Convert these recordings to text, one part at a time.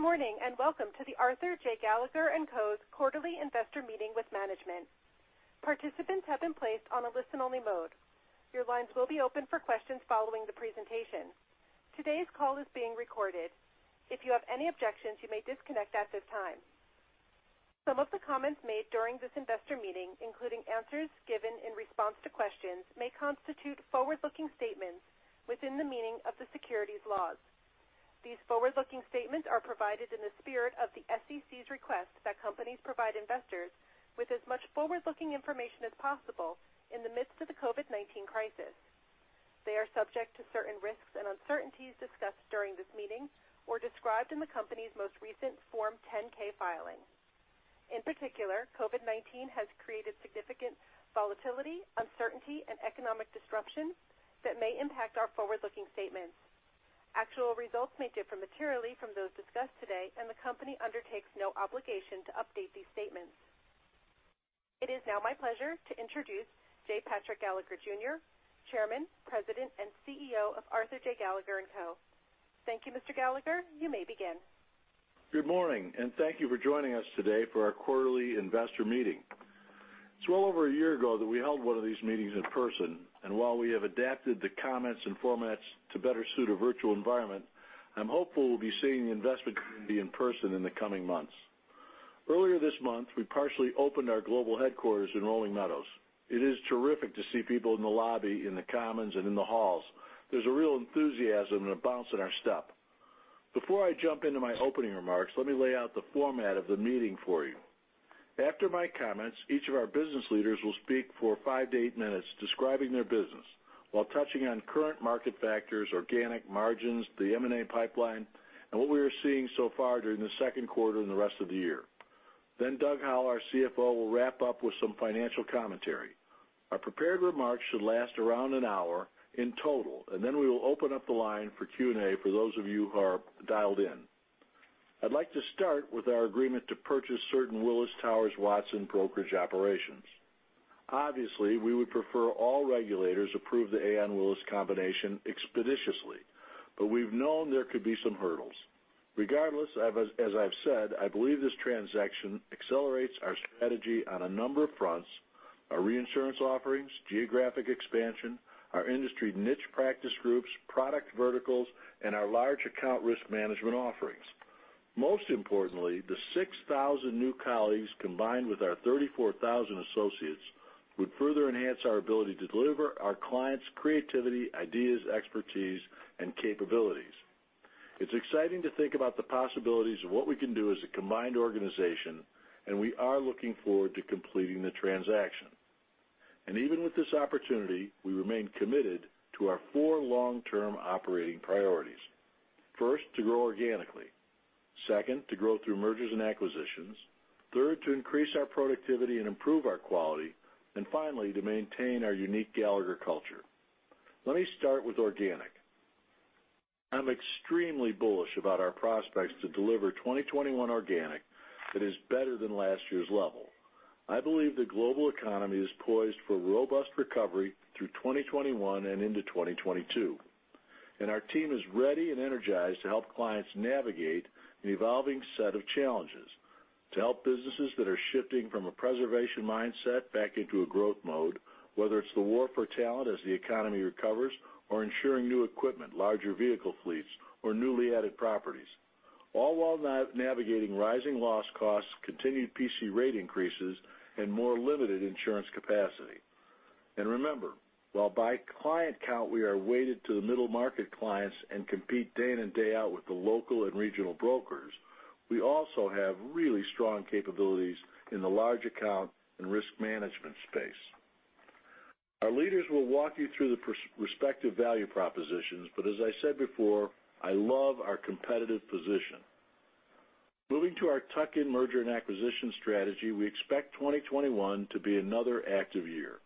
Good morning, welcome to the Arthur J. Gallagher & Co.'s quarterly investor meeting with management. Participants have been placed on a listen-only mode. Your lines will be open for questions following the presentation. Today's call is being recorded. If you have any objections, you may disconnect at this time. Some of the comments made during this investor meeting, including answers given in response to questions, may constitute forward-looking statements within the meaning of the securities laws. These forward-looking statements are provided in the spirit of the SEC's request that companies provide investors with as much forward-looking information as possible in the midst of the COVID-19 crisis. They are subject to certain risks and uncertainties discussed during this meeting or described in the company's most recent Form 10-K filing. In particular, COVID-19 has created significant volatility, uncertainty, and economic disruption that may impact our forward-looking statements. Actual results may differ materially from those discussed today, the company undertakes no obligation to update these statements. It is now my pleasure to introduce J. Patrick Gallagher Jr., Chairman, President, and CEO of Arthur J. Gallagher & Co. Thank you, Mr. Gallagher. You may begin. Good morning, thank you for joining us today for our quarterly investor meeting. It's well over a year ago that we held one of these meetings in person, while we have adapted the comments and formats to better suit a virtual environment, I'm hopeful we'll be seeing the investment community in person in the coming months. Earlier this month, we partially opened our global headquarters in Rolling Meadows. It is terrific to see people in the lobby, in the commons, and in the halls. There's a real enthusiasm and a bounce in our step. Before I jump into my opening remarks, let me lay out the format of the meeting for you. After my comments, each of our business leaders will speak for five to eight minutes describing their business while touching on current market factors, organic margins, the M&A pipeline, and what we are seeing so far during the second quarter and the rest of the year. Doug Howell, our CFO, will wrap up with some financial commentary. Our prepared remarks should last around an hour in total, then we will open up the line for Q&A for those of you who are dialed in. I'd like to start with our agreement to purchase certain Willis Towers Watson brokerage operations. Obviously, we would prefer all regulators approve the Aon-Willis combination expeditiously, we've known there could be some hurdles. Regardless, as I've said, I believe this transaction accelerates our strategy on a number of fronts, our reinsurance offerings, geographic expansion, our industry niche practice groups, product verticals, and our large account risk management offerings. Most importantly, the 6,000 new colleagues, combined with our 34,000 associates, would further enhance our ability to deliver our clients creativity, ideas, expertise, and capabilities. It's exciting to think about the possibilities of what we can do as a combined organization. We are looking forward to completing the transaction. Even with this opportunity, we remain committed to our four long-term operating priorities. First, to grow organically. Second, to grow through mergers and acquisitions. Third, to increase our productivity and improve our quality. Finally, to maintain our unique Gallagher culture. Let me start with organic. I'm extremely bullish about our prospects to deliver 2021 organic that is better than last year's level. I believe the global economy is poised for robust recovery through 2021 and into 2022. Our team is ready and energized to help clients navigate an evolving set of challenges, to help businesses that are shifting from a preservation mindset back into a growth mode, whether it's the war for talent as the economy recovers or insuring new equipment, larger vehicle fleets, or newly added properties, all while navigating rising loss costs, continued PC rate increases, and more limited insurance capacity. Remember, while by client count we are weighted to the middle-market clients and compete day in and day out with the local and regional brokers, we also have really strong capabilities in the large account and risk management space. Our leaders will walk you through the respective value propositions. As I said before, I love our competitive position. Moving to our tuck-in merger and acquisition strategy, we expect 2021 to be another active year.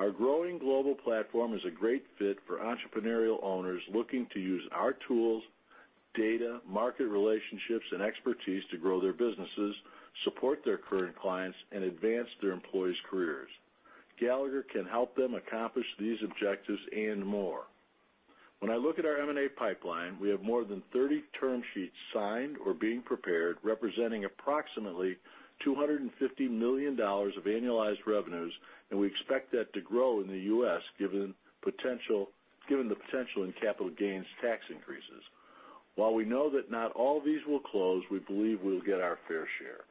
Our growing global platform is a great fit for entrepreneurial owners looking to use our tools, data, market relationships, and expertise to grow their businesses, support their current clients, and advance their employees' careers. Gallagher can help them accomplish these objectives and more. When I look at our M&A pipeline, we have more than 30 term sheets signed or being prepared, representing approximately $250 million of annualized revenues. We expect that to grow in the U.S. given the potential in capital gains tax increases. While we know that not all of these will close, we believe we'll get our fair share.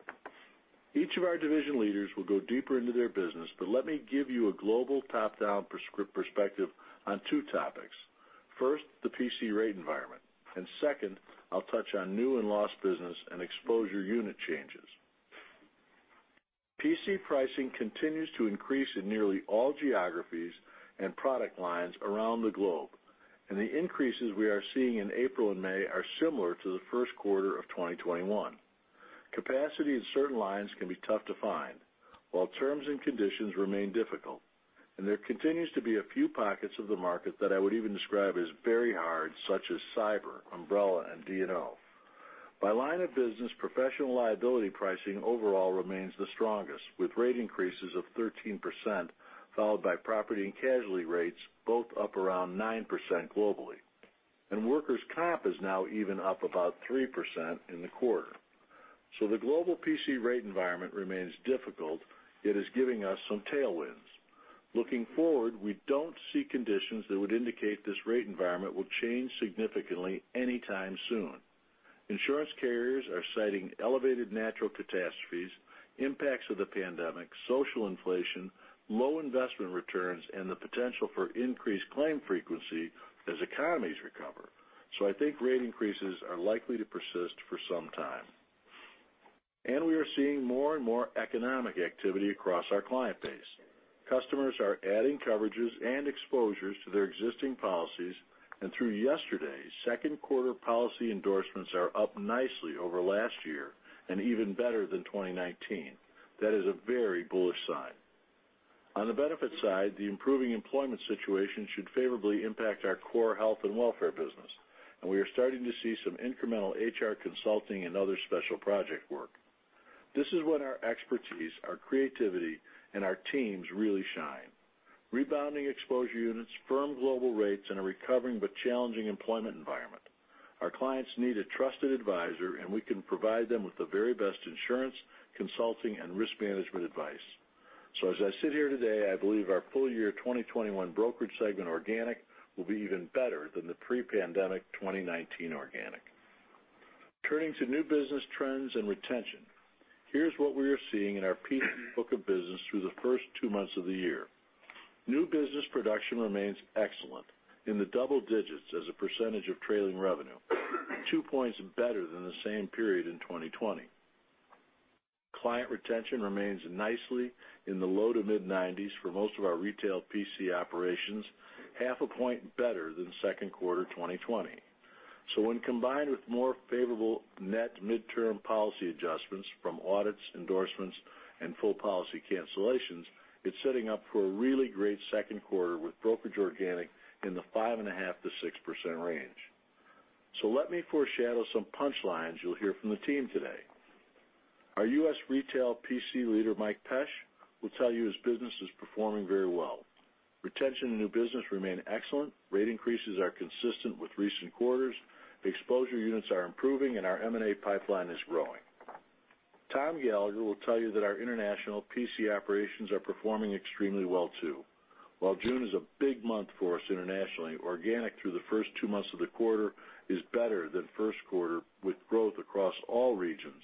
Each of our division leaders will go deeper into their business. Let me give you a global top-down perspective on two topics. First, the PC rate environment. Second, I'll touch on new and lost business and exposure unit changes. PC pricing continues to increase in nearly all geographies and product lines around the globe, and the increases we are seeing in April and May are similar to the first quarter of 2021. Capacity in certain lines can be tough to find, while terms and conditions remain difficult. There continues to be a few pockets of the market that I would even describe as very hard, such as cyber, umbrella, and D&O. By line of business, professional liability pricing overall remains the strongest, with rate increases of 13%, followed by property and casualty rates both up around 9% globally. Workers' comp is now even up about 3% in the quarter. The global PC rate environment remains difficult, yet is giving us some tailwinds. Looking forward, we don't see conditions that would indicate this rate environment will change significantly anytime soon. Insurance carriers are citing elevated natural catastrophes, impacts of the pandemic, social inflation, low investment returns, and the potential for increased claim frequency as economies recover. I think rate increases are likely to persist for some time. We are seeing more and more economic activity across our client base. Customers are adding coverages and exposures to their existing policies, and through yesterday, second quarter policy endorsements are up nicely over last year, and even better than 2019. That is a very bullish sign. On the benefits side, the improving employment situation should favorably impact our core health and welfare business, and we are starting to see some incremental HR consulting and other special project work. This is when our expertise, our creativity, and our teams really shine. Rebounding exposure units, firm global rates, and a recovering but challenging employment environment. Our clients need a trusted advisor, and we can provide them with the very best insurance, consulting, and risk management advice. As I sit here today, I believe our full year 2021 brokerage segment organic will be even better than the pre-pandemic 2019 organic. Turning to new business trends and retention. Here's what we are seeing in our PC book of business through the first two months of the year. New business production remains excellent, in the double digits as a percentage of trailing revenue. Two points better than the same period in 2020. Client retention remains nicely in the low to mid 90s for most of our retail PC operations, half a point better than second quarter 2020. When combined with more favorable net midterm policy adjustments from audits, endorsements, and full policy cancellations, it's setting up for a really great second quarter with brokerage organic in the 5.5%-6% range. Let me foreshadow some punchlines you'll hear from the team today. Our U.S. retail PC leader, Mike Pesch, will tell you his business is performing very well. Retention and new business remain excellent. Rate increases are consistent with recent quarters. Exposure units are improving, and our M&A pipeline is growing. Tom Gallagher will tell you that our international PC operations are performing extremely well, too. While June is a big month for us internationally, organic through the first two months of the quarter is better than first quarter with growth across all regions,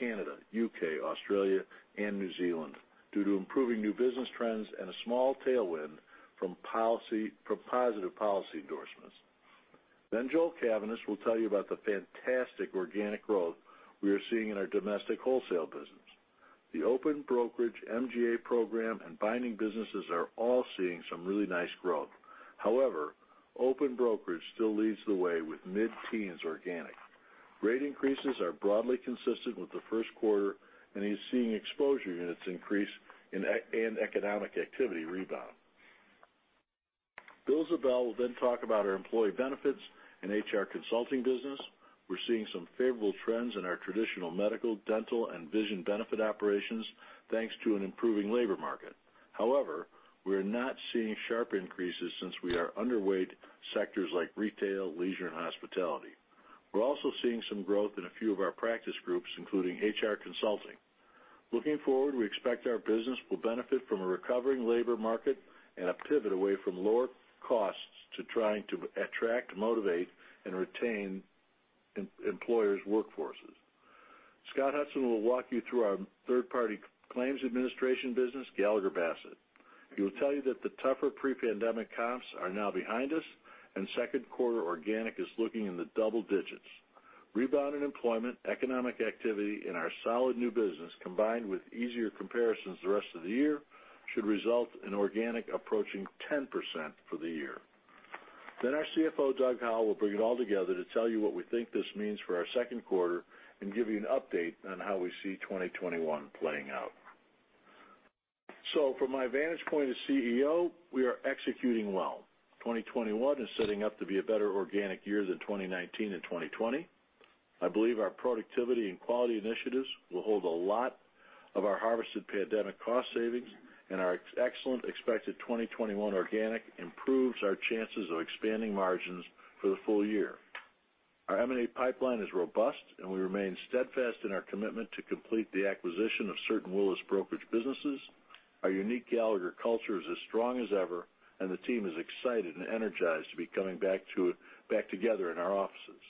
Canada, U.K., Australia, and New Zealand, due to improving new business trends and a small tailwind from positive policy endorsements. Joel Cavaness will tell you about the fantastic organic growth we are seeing in our domestic wholesale business. The open brokerage MGA program and binding businesses are all seeing some really nice growth. However, open brokerage still leads the way with mid-teens organic. Rate increases are broadly consistent with the first quarter, and he's seeing exposure units increase and economic activity rebound. Bill Ziebell will then talk about our employee benefits and HR consulting business. We're seeing some favorable trends in our traditional medical, dental, and vision benefit operations, thanks to an improving labor market. However, we are not seeing sharp increases since we are underweight sectors like retail, leisure, and hospitality. We're also seeing some growth in a few of our practice groups, including HR consulting. Looking forward, we expect our business will benefit from a recovering labor market and a pivot away from lower costs to trying to attract, motivate, and retain employers' workforces. Scott Hudson will walk you through our third-party claims administration business, Gallagher Bassett. He will tell you that the tougher pre-pandemic comps are now behind us, and second quarter organic is looking in the double digits. Rebound in employment, economic activity, and our solid new business, combined with easier comparisons the rest of the year, should result in organic approaching 10% for the year. Then our CFO, Doug Howell, will bring it all together to tell you what we think this means for our second quarter and give you an update on how we see 2021 playing out. From my vantage point as CEO, we are executing well. 2021 is setting up to be a better organic year than 2019 and 2020. I believe our productivity and quality initiatives will hold a lot of our harvested pandemic cost savings, and our excellent expected 2021 organic improves our chances of expanding margins for the full year. Our M&A pipeline is robust, and we remain steadfast in our commitment to complete the acquisition of certain Willis brokerage businesses. Our unique Gallagher culture is as strong as ever, and the team is excited and energized to be coming back together in our offices.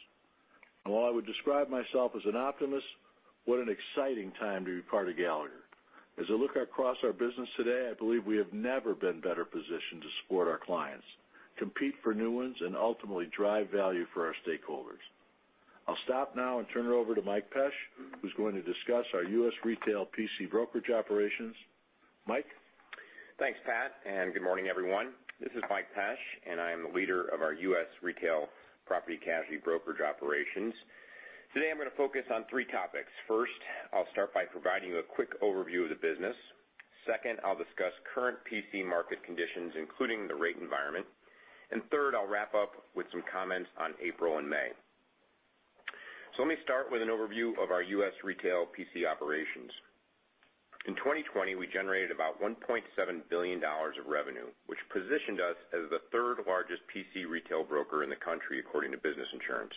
While I would describe myself as an optimist, what an exciting time to be part of Gallagher. As I look across our business today, I believe we have never been better positioned to support our clients, compete for new ones, and ultimately drive value for our stakeholders. I'll stop now and turn it over to Mike Pesch, who's going to discuss our U.S. retail PC brokerage operations. Mike? Thanks, Pat, and good morning, everyone. This is Mike Pesch, and I am the leader of our U.S. retail property casualty brokerage operations. Today, I'm going to focus on three topics. First, I'll start by providing you a quick overview of the business. Second, I'll discuss current PC market conditions, including the rate environment. Third, I'll wrap up with some comments on April and May. Let me start with an overview of our U.S. retail PC operations. In 2020, we generated about $1.7 billion of revenue, which positioned us as the third largest PC retail broker in the country, according to Business Insurance.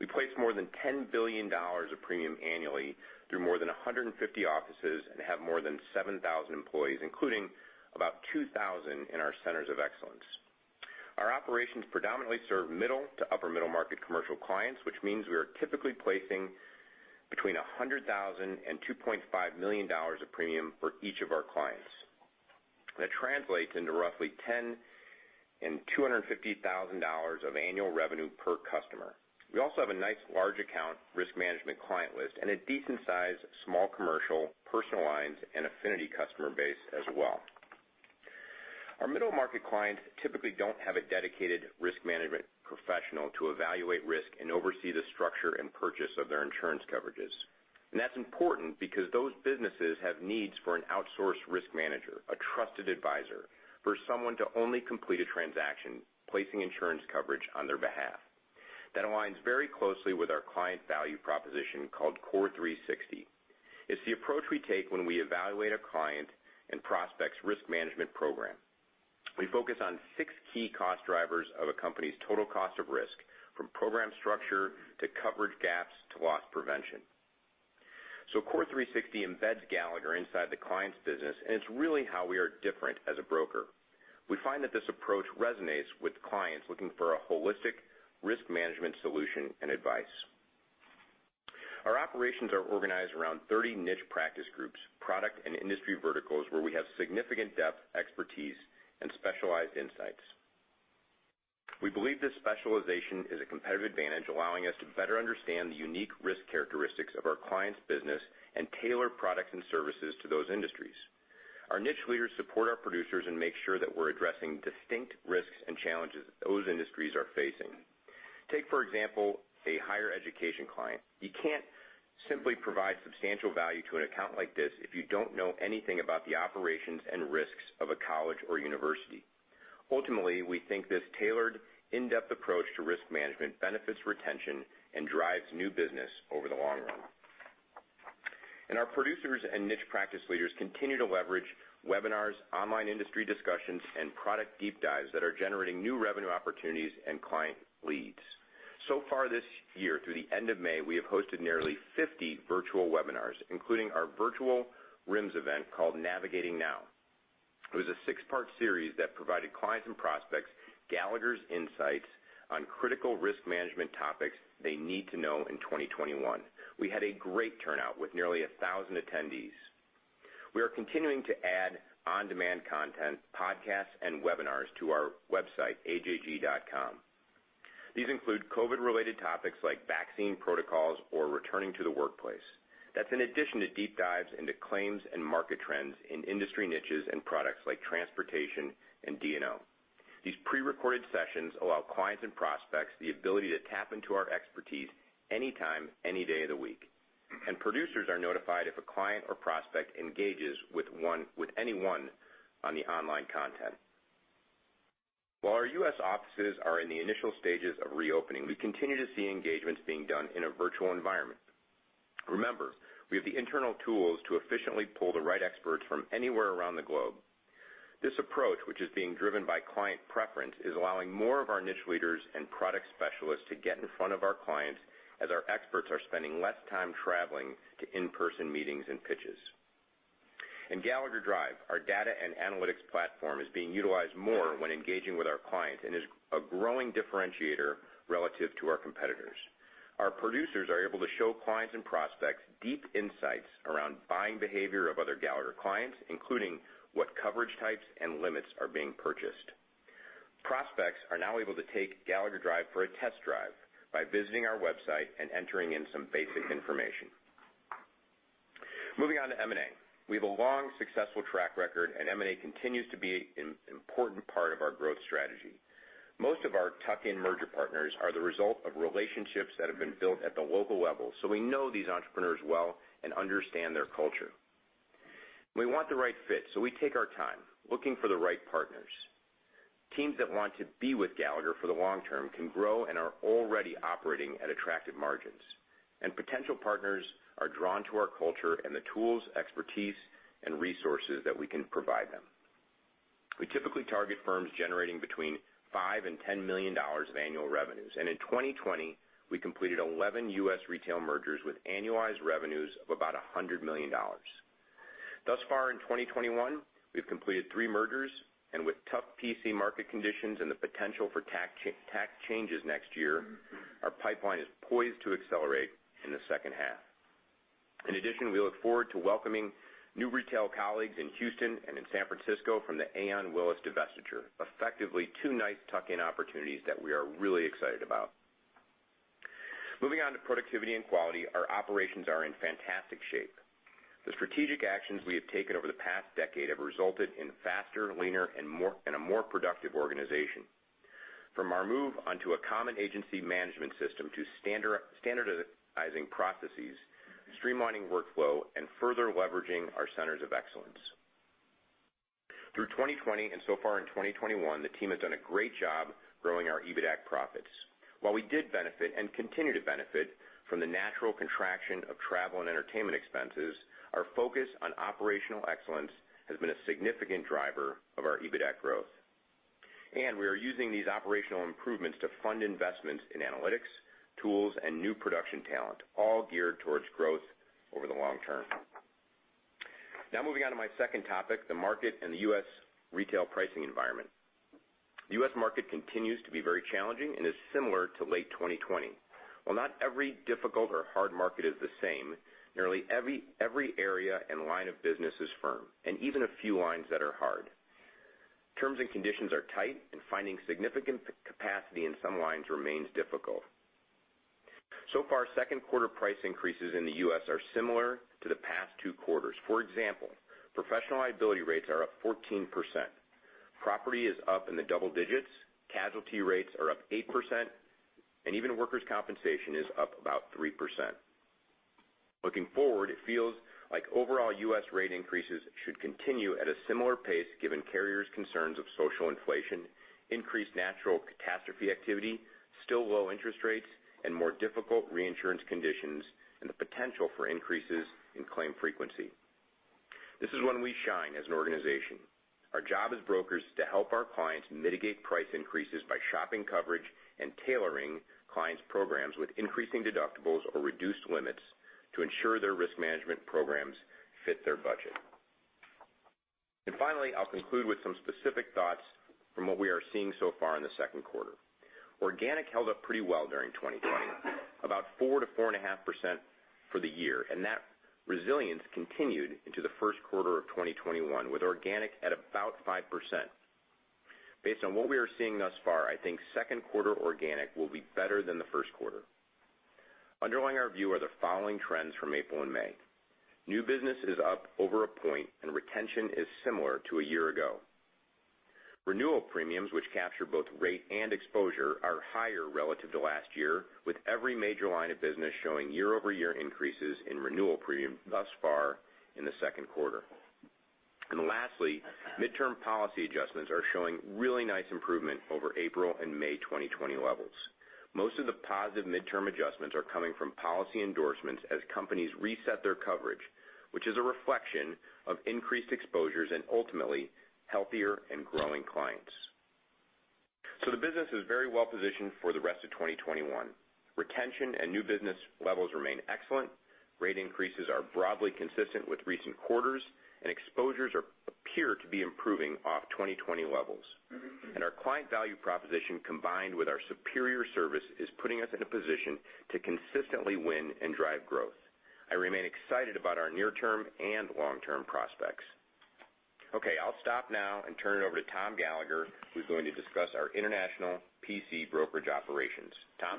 We place more than $10 billion of premium annually through more than 150 offices and have more than 7,000 employees, including about 2,000 in our centers of excellence. Our operations predominantly serve middle to upper middle market commercial clients, which means we are typically placing between $100,000 and $2.5 million of premium for each of our clients. That translates into roughly $10 and $250,000 of annual revenue per customer. We also have a nice large account risk management client list and a decent size small commercial, personal lines, and affinity customer base as well. Our middle-market clients typically don't have a dedicated risk management professional to evaluate risk and oversee the structure and purchase of their insurance coverages. That's important because those businesses have needs for an outsourced risk manager, a trusted advisor, for someone to only complete a transaction, placing insurance coverage on their behalf. That aligns very closely with our client value proposition called CORE360. It's the approach we take when we evaluate a client and prospect's risk management program. We focus on six key cost drivers of a company's total cost of risk, from program structure to coverage gaps to loss prevention. CORE360 embeds Gallagher inside the client's business, and it's really how we are different as a broker. We find that this approach resonates with clients looking for a holistic risk management solution and advice. Our operations are organized around 30 niche practice groups, product and industry verticals where we have significant depth, expertise, and specialized insights. We believe this specialization is a competitive advantage, allowing us to better understand the unique risk characteristics of our clients' business and tailor products and services to those industries. Our niche leaders support our producers and make sure that we're addressing distinct risks and challenges those industries are facing. Take, for example, a higher education client. You can't simply provide substantial value to an account like this if you don't know anything about the operations and risks of a college or university. Ultimately, we think this tailored in-depth approach to risk management benefits retention and drives new business over the long run. Our producers and niche practice leaders continue to leverage webinars, online industry discussions, and product deep dives that are generating new revenue opportunities and client leads. Far this year, through the end of May, we have hosted nearly 50 virtual webinars, including our virtual RIMS event called Navigating Now. It was a six-part series that provided clients and prospects Gallagher's insights on critical risk management topics they need to know in 2021. We had a great turnout with nearly 1,000 attendees. We are continuing to add on-demand content, podcasts, and webinars to our website, ajg.com. These include COVID-related topics like vaccine protocols or returning to the workplace. That's in addition to deep dives into claims and market trends in industry niches and products like transportation and D&O. These prerecorded sessions allow clients and prospects the ability to tap into our expertise anytime, any day of the week. Producers are notified if a client or prospect engages with anyone on the online content. While our U.S. offices are in the initial stages of reopening, we continue to see engagements being done in a virtual environment. Remember, we have the internal tools to efficiently pull the right experts from anywhere around the globe. This approach, which is being driven by client preference, is allowing more of our niche leaders and product specialists to get in front of our clients as our experts are spending less time traveling to in-person meetings and pitches. In Gallagher Drive, our data and analytics platform is being utilized more when engaging with our clients and is a growing differentiator relative to our competitors. Our producers are able to show clients and prospects deep insights around buying behavior of other Gallagher clients, including what coverage types and limits are being purchased. Prospects are now able to take Gallagher Drive for a test drive by visiting our website and entering in some basic information. Moving on to M&A. We have a long, successful track record, and M&A continues to be an important part of our growth strategy. Most of our tuck-in merger partners are the result of relationships that have been built at the local level, so we know these entrepreneurs well and understand their culture. We want the right fit, so we take our time looking for the right partners. Teams that want to be with Gallagher for the long term can grow and are already operating at attractive margins. Potential partners are drawn to our culture and the tools, expertise, and resources that we can provide them. We typically target firms generating between $5 million and $10 million of annual revenues. In 2020, we completed 11 U.S. retail mergers with annualized revenues of about $100 million. Thus far in 2021, we've completed three mergers, and with tough PC market conditions and the potential for tax changes next year, our pipeline is poised to accelerate in the second half. In addition, we look forward to welcoming new retail colleagues in Houston and in San Francisco from the Aon Willis divestiture, effectively two nice tuck-in opportunities that we are really excited about. Moving on to productivity and quality. Our operations are in fantastic shape. The strategic actions we have taken over the past decade have resulted in a faster, leaner, and a more productive organization. From our move onto a common agency management system to standardizing processes, streamlining workflow, and further leveraging our centers of excellence. Through 2020 and so far in 2021, the team has done a great job growing our EBITAC profits. While we did benefit and continue to benefit from the natural contraction of travel and entertainment expenses, our focus on operational excellence has been a significant driver of our EBITAC growth. We are using these operational improvements to fund investments in analytics, tools, and new production talent, all geared towards growth over the long term. Now moving on to my second topic, the market and the U.S. retail pricing environment. The U.S. market continues to be very challenging and is similar to late 2020. While not every difficult or hard market is the same, nearly every area and line of business is firm, and even a few lines that are hard. Terms and conditions are tight, and finding significant capacity in some lines remains difficult. So far, second quarter price increases in the U.S. are similar to the past two quarters. For example, professional liability rates are up 14%. Property is up in the double digits. Casualty rates are up 8%, and even workers' compensation is up about 3%. Looking forward, it feels like overall U.S. rate increases should continue at a similar pace given carriers' concerns of social inflation, increased natural catastrophe activity, still low interest rates, and more difficult reinsurance conditions, and the potential for increases in claim frequency. This is when we shine as an organization. Our job as brokers is to help our clients mitigate price increases by shopping coverage and tailoring clients' programs with increasing deductibles or reduced limits to ensure their risk management programs fit their budget. Finally, I'll conclude with some specific thoughts from what we are seeing so far in the second quarter. Organic held up pretty well during 2020, about 4%-4.5% for the year, and that resilience continued into the first quarter of 2021, with organic at about 5%. Based on what we are seeing thus far, I think second quarter organic will be better than the first quarter. Underlying our view are the following trends from April and May. New business is up over a point, and retention is similar to a year ago. Renewal premiums, which capture both rate and exposure, are higher relative to last year, with every major line of business showing year-over-year increases in renewal premium thus far in the second quarter. Lastly, midterm policy adjustments are showing really nice improvement over April and May 2020 levels. Most of the positive midterm adjustments are coming from policy endorsements as companies reset their coverage, which is a reflection of increased exposures and ultimately healthier and growing clients. The business is very well positioned for the rest of 2021. Retention and new business levels remain excellent. Rate increases are broadly consistent with recent quarters, and exposures appear to be improving off 2020 levels. Our client value proposition, combined with our superior service, is putting us in a position to consistently win and drive growth. I remain excited about our near-term and long-term prospects. Okay. I'll stop now and turn it over to Tom Gallagher, who's going to discuss our international PC brokerage operations. Tom?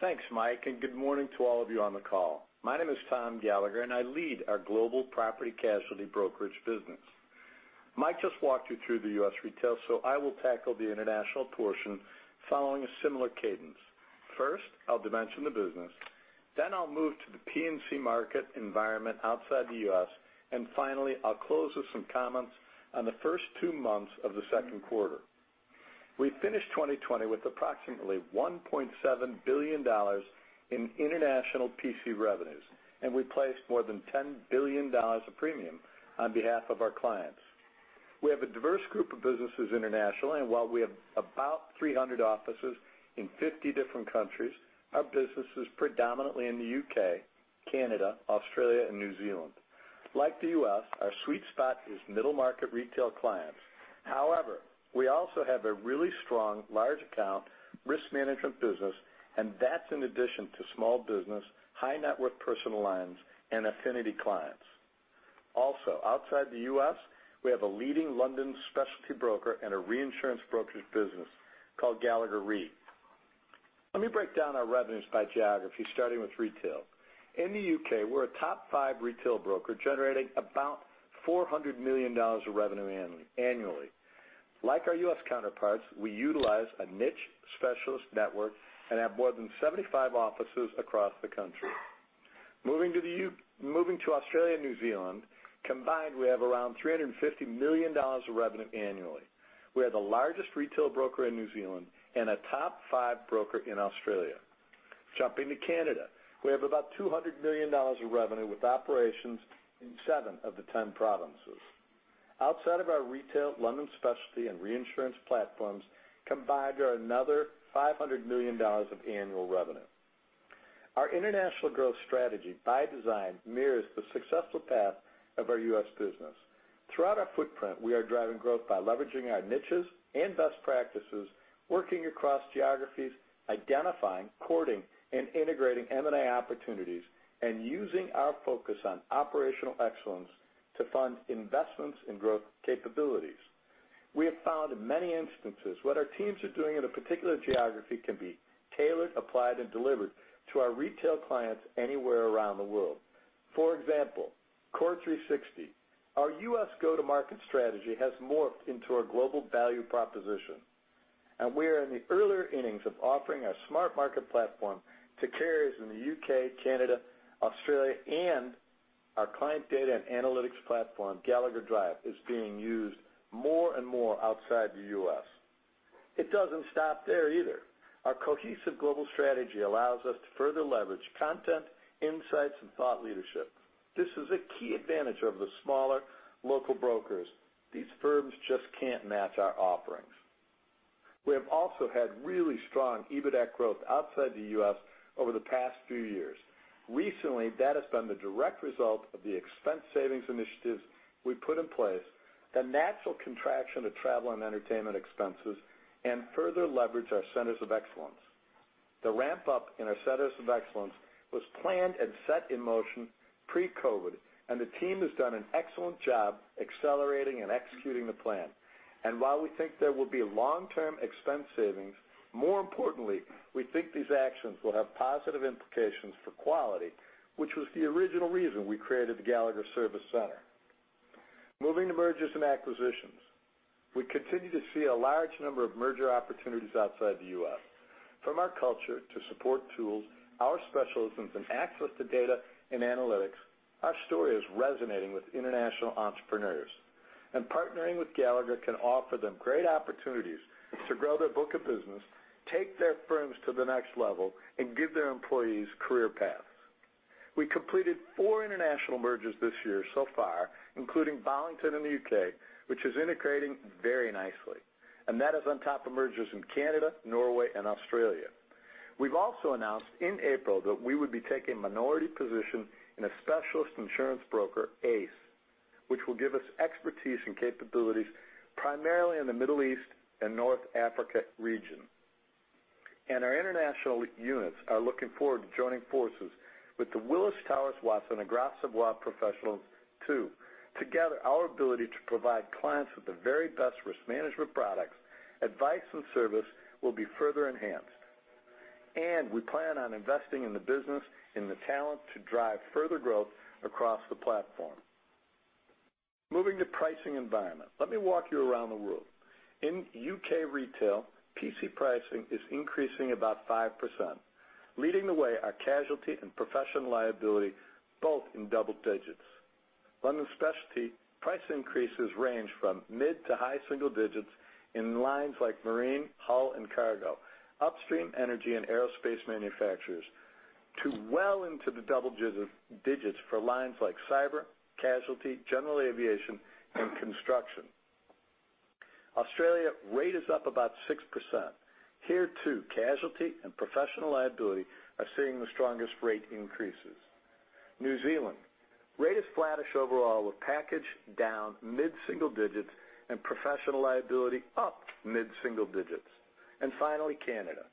Thanks, Mike, and good morning to all of you on the call. My name is Tom Gallagher, and I lead our global property casualty brokerage business. Mike just walked you through the U.S. retail, so I will tackle the international portion following a similar cadence. First, I'll dimension the business, then I'll move to the P&C market environment outside the U.S., and finally, I'll close with some comments on the first two months of the second quarter. We finished 2020 with approximately $1.7 billion in international PC revenues, and we placed more than $10 billion of premium on behalf of our clients. We have a diverse group of businesses internationally, and while we have about 300 offices in 50 different countries, our business is predominantly in the U.K., Canada, Australia, and New Zealand. Like the U.S., our sweet spot is middle-market retail clients. However, we also have a really strong large account risk management business, and that's in addition to small business, high-net-worth personal lines, and affinity clients. Outside the U.S., we have a leading London specialty broker and a reinsurance brokerage business called Gallagher Re. Let me break down our revenues by geography, starting with retail. In the U.K., we're a top five retail broker, generating about $400 million of revenue annually. Like our U.S. counterparts, we utilize a niche specialist network and have more than 75 offices across the country. Moving to Australia and New Zealand, combined, we have around $350 million of revenue annually. We are the largest retail broker in New Zealand and a top five broker in Australia. Jumping to Canada, we have about $200 million of revenue, with operations in seven of the 10 provinces. Outside of our retail London specialty and reinsurance platforms, combined are another $500 million of annual revenue. Our international growth strategy by design mirrors the successful path of our U.S. business. Throughout our footprint, we are driving growth by leveraging our niches and best practices, working across geographies, identifying, courting, and integrating M&A opportunities, and using our focus on operational excellence to fund investments in growth capabilities. We have found in many instances, what our teams are doing in a particular geography can be tailored, applied, and delivered to our retail clients anywhere around the world. For example, CORE360, our U.S. go-to-market strategy has morphed into our global value proposition. We are in the earlier innings of offering our SmartMarket platform to carriers in the U.K., Canada, Australia, and our client data and analytics platform, Gallagher Drive, is being used more and more outside the U.S. It doesn't stop there either. Our cohesive global strategy allows us to further leverage content, insights, and thought leadership. This is a key advantage of the smaller local brokers. These firms just can't match our offerings. We have also had really strong EBITA growth outside the U.S. over the past few years. Recently, that has been the direct result of the expense savings initiatives we put in place, the natural contraction of travel and entertainment expenses, and further leverage our centers of excellence. The ramp-up in our centers of excellence was planned and set in motion pre-COVID, and the team has done an excellent job accelerating and executing the plan. While we think there will be long-term expense savings, more importantly, we think these actions will have positive implications for quality, which was the original reason we created the Gallagher Service Center. Moving to mergers and acquisitions. We continue to see a large number of merger opportunities outside the U.S. From our culture to support tools, our specialisms, and access to data and analytics, our story is resonating with international entrepreneurs. Partnering with Gallagher can offer them great opportunities to grow their book of business, take their firms to the next level, and give their employees career paths. We completed four international mergers this year so far, including Bollington in the U.K., which is integrating very nicely, that is on top of mergers in Canada, Norway, and Australia. We've also announced in April that we would be taking minority position in a specialist insurance broker, ACE, which will give us expertise and capabilities primarily in the Middle East and North Africa region. Our international units are looking forward to joining forces with the Willis Towers Watson aerospace professionals too. Together, our ability to provide clients with the very best risk management products, advice, and service will be further enhanced. We plan on investing in the business, in the talent to drive further growth across the platform. Moving to pricing environment. Let me walk you around the world. In U.K. retail, PC pricing is increasing about 5%. Leading the way are casualty and professional liability, both in double digits. London specialty price increases range from mid-to-high single digits in lines like marine, hull, and cargo, upstream energy and aerospace manufacturers, to well into the double digits for lines like cyber, casualty, general aviation, and construction. Australia rate is up about 6%. Here, too, casualty and professional liability are seeing the strongest rate increases. New Zealand. Rate is flattish overall, with package down mid-single digits and professional liability up mid-single digits. Finally, Canada.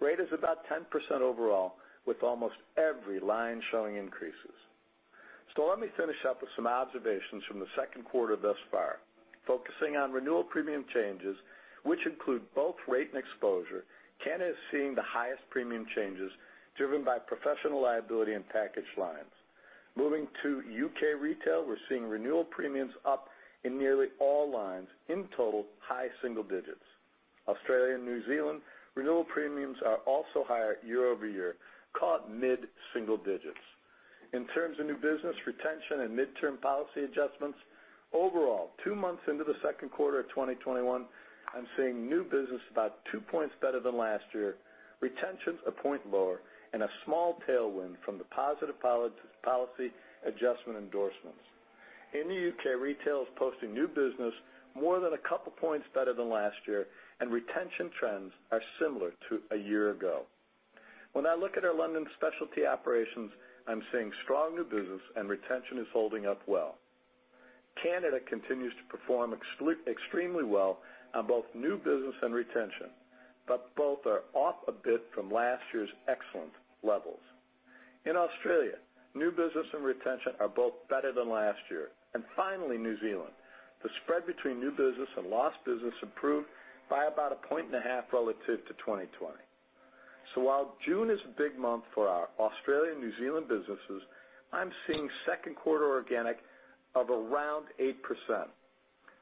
Rate is about 10% overall, with almost every line showing increases. Let me finish up with some observations from the second quarter thus far, focusing on renewal premium changes, which include both rate and exposure. Canada is seeing the highest premium changes, driven by professional liability and package lines. Moving to U.K. retail, we're seeing renewal premiums up in nearly all lines, in total, high single digits. Australia and New Zealand, renewal premiums are also higher year-over-year, caught mid-single digits. In terms of new business retention and midterm policy adjustments, overall, two months into the second quarter of 2021, I'm seeing new business about two points better than last year, retentions a point lower, and a small tailwind from the positive policy adjustment endorsements. In the U.K., retail is posting new business more than a couple points better than last year, and retention trends are similar to a year ago. When I look at our London specialty operations, I'm seeing strong new business and retention is holding up well. Canada continues to perform extremely well on both new business and retention, but both are off a bit from last year's excellent levels. In Australia, new business and retention are both better than last year. Finally, New Zealand. The spread between new business and lost business improved by about a point and a half relative to 2020. While June is a big month for our Australian New Zealand businesses, I'm seeing second quarter organic of around 8%.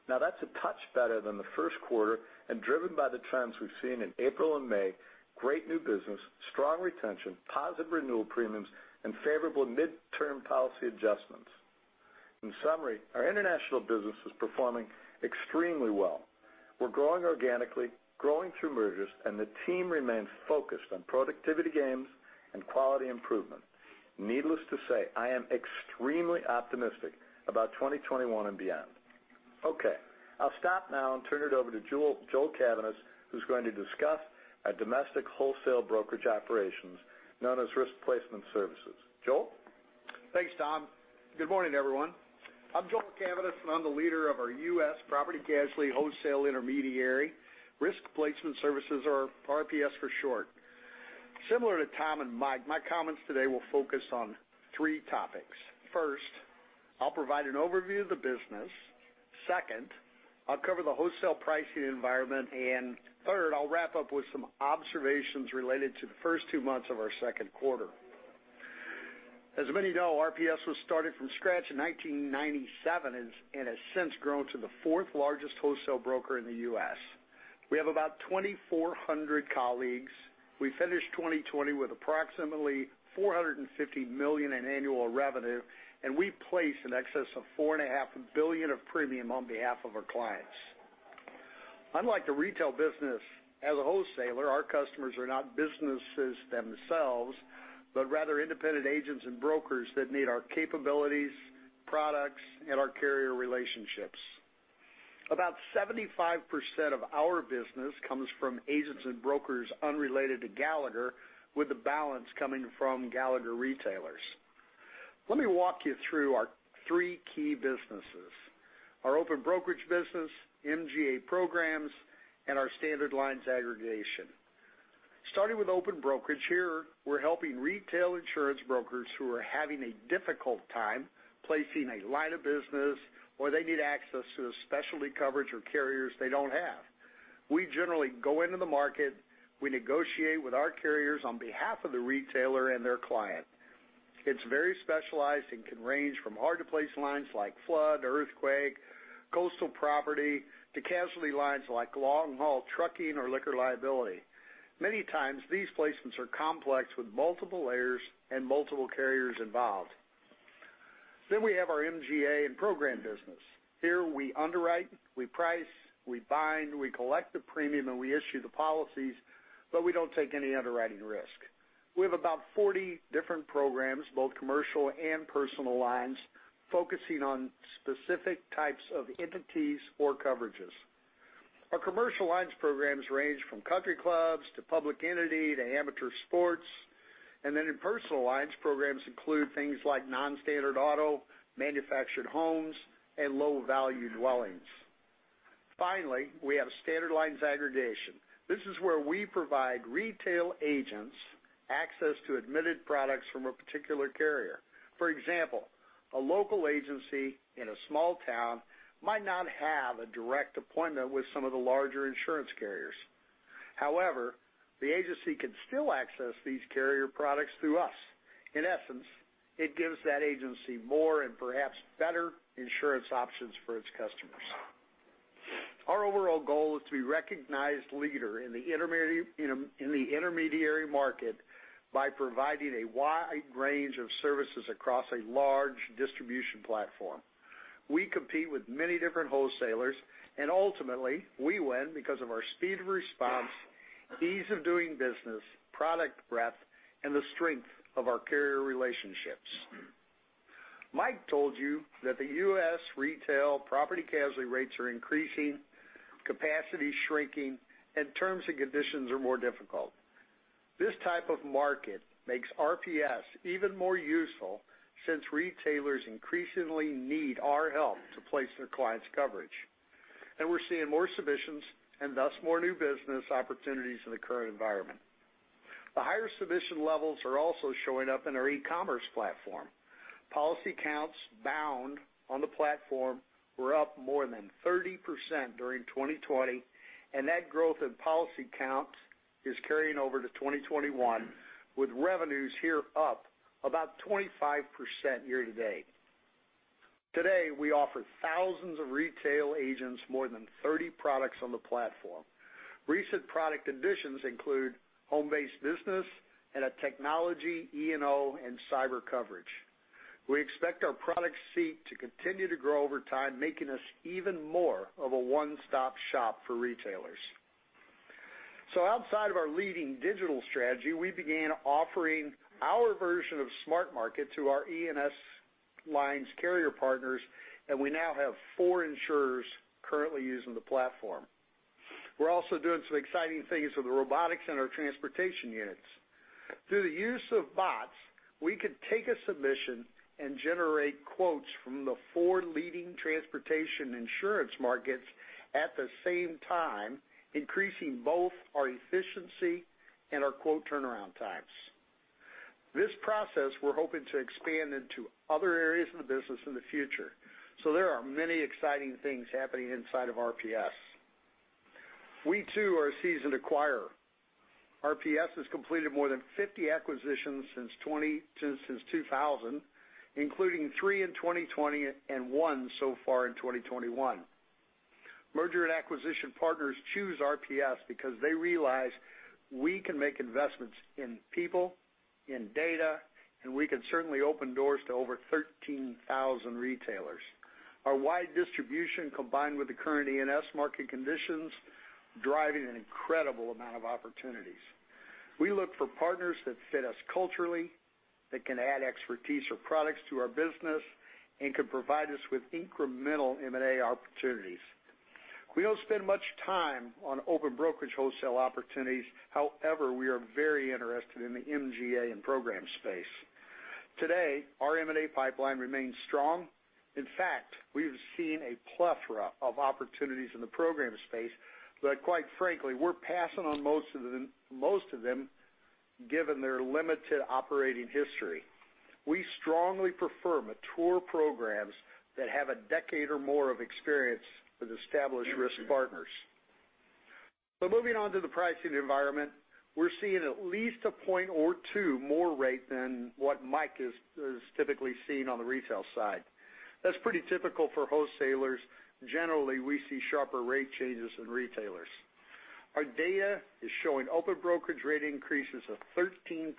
That's a touch better than the first quarter and driven by the trends we've seen in April and May, great new business, strong retention, positive renewal premiums, and favorable midterm policy adjustments. In summary, our international business is performing extremely well. We're growing organically, growing through mergers, and the team remains focused on productivity gains and quality improvement. Needless to say, I am extremely optimistic about 2021 and beyond. Okay. I'll stop now and turn it over to Joel Cavaness, who's going to discuss our domestic wholesale brokerage operations known as Risk Placement Services. Joel? Thanks, Tom. Good morning, everyone. I'm Joel Cavaness, and I'm the leader of our U.S. property casualty wholesale intermediary Risk Placement Services, or RPS for short. Similar to Tom and Mike, my comments today will focus on three topics. First, I'll provide an overview of the business. Second, I'll cover the wholesale pricing environment. Third, I'll wrap up with some observations related to the first two months of our second quarter. As many know, RPS was started from scratch in 1997 and has since grown to the fourth largest wholesale broker in the U.S. We have about 2,400 colleagues. We finished 2020 with approximately $450 million in annual revenue, and we placed in excess of $4.5 billion of premium on behalf of our clients. Unlike the retail business, as a wholesaler, our customers are not businesses themselves, but rather independent agents and brokers that need our capabilities, products, and our carrier relationships. About 75% of our business comes from agents and brokers unrelated to Gallagher, with the balance coming from Gallagher retailers. Let me walk you through our three key businesses, our open brokerage business, MGA programs, and our standard lines aggregation. Starting with open brokerage, here we're helping retail insurance brokers who are having a difficult time placing a line of business, or they need access to the specialty coverage or carriers they don't have. We generally go into the market, we negotiate with our carriers on behalf of the retailer and their client. It's very specialized and can range from hard to place lines like flood, earthquake, coastal property, to casualty lines like long haul trucking or liquor liability. Many times, these placements are complex with multiple layers and multiple carriers involved. We have our MGA and program business. Here we underwrite, we price, we bind, we collect the premium, and we issue the policies, but we don't take any underwriting risk. We have about 40 different programs, both commercial and personal lines, focusing on specific types of entities or coverages. Our commercial lines programs range from country clubs to public entity to amateur sports, and in personal lines, programs include things like non-standard auto, manufactured homes, and low value dwellings. We have standard lines aggregation. This is where we provide retail agents access to admitted products from a particular carrier. For example, a local agency in a small town might not have a direct appointment with some of the larger insurance carriers. However, the agency can still access these carrier products through us. In essence, it gives that agency more and perhaps better insurance options for its customers. Our overall goal is to be recognized leader in the intermediary market by providing a wide range of services across a large distribution platform. We compete with many different wholesalers, ultimately we win because of our speed of response, ease of doing business, product breadth, and the strength of our carrier relationships. Mike told you that the U.S. retail property casualty rates are increasing, capacity is shrinking, and terms and conditions are more difficult. This type of market makes RPS even more useful since retailers increasingly need our help to place their clients' coverage. We're seeing more submissions and thus more new business opportunities in the current environment. The higher submission levels are also showing up in our e-commerce platform. Policy counts bound on the platform were up more than 30% during 2020, and that growth in policy count is carrying over to 2021, with revenues here up about 25% year-to-date. Today, we offer thousands of retail agents more than 30 products on the platform. Recent product additions include home-based business and a technology E&O and cyber coverage. We expect our product suite to continue to grow over time, making us even more of a one-stop shop for retailers. Outside of our leading digital strategy, we began offering our version of SmartMarket to our E&S lines carrier partners. We now have four insurers currently using the platform. We're also doing some exciting things with the robotics and our transportation units. Through the use of bots, we could take a submission and generate quotes from the four leading transportation insurance markets at the same time, increasing both our efficiency and our quote turnaround times. This process we're hoping to expand into other areas of the business in the future. There are many exciting things happening inside of RPS. We too are a seasoned acquirer. RPS has completed more than 50 acquisitions since 2000, including three in 2020 and one so far in 2021. Merger and acquisition partners choose RPS because they realize we can make investments in people, in data, and we can certainly open doors to over 13,000 retailers. Our wide distribution, combined with the current E&S market conditions, driving an incredible amount of opportunities. We look for partners that fit us culturally, that can add expertise or products to our business, and can provide us with incremental M&A opportunities. We don't spend much time on open brokerage wholesale opportunities. However, we are very interested in the MGA and program space. Today, our M&A pipeline remains strong. In fact, we've seen a plethora of opportunities in the program space, but quite frankly, we're passing on most of them given their limited operating history. We strongly prefer mature programs that have a decade or more of experience with established risk partners. Moving on to the pricing environment, we're seeing at least a point or two more rate than what Mike is typically seeing on the retail side. That's pretty typical for wholesalers. Generally, we see sharper rate changes than retailers. Our data is showing open brokerage rate increases of 13%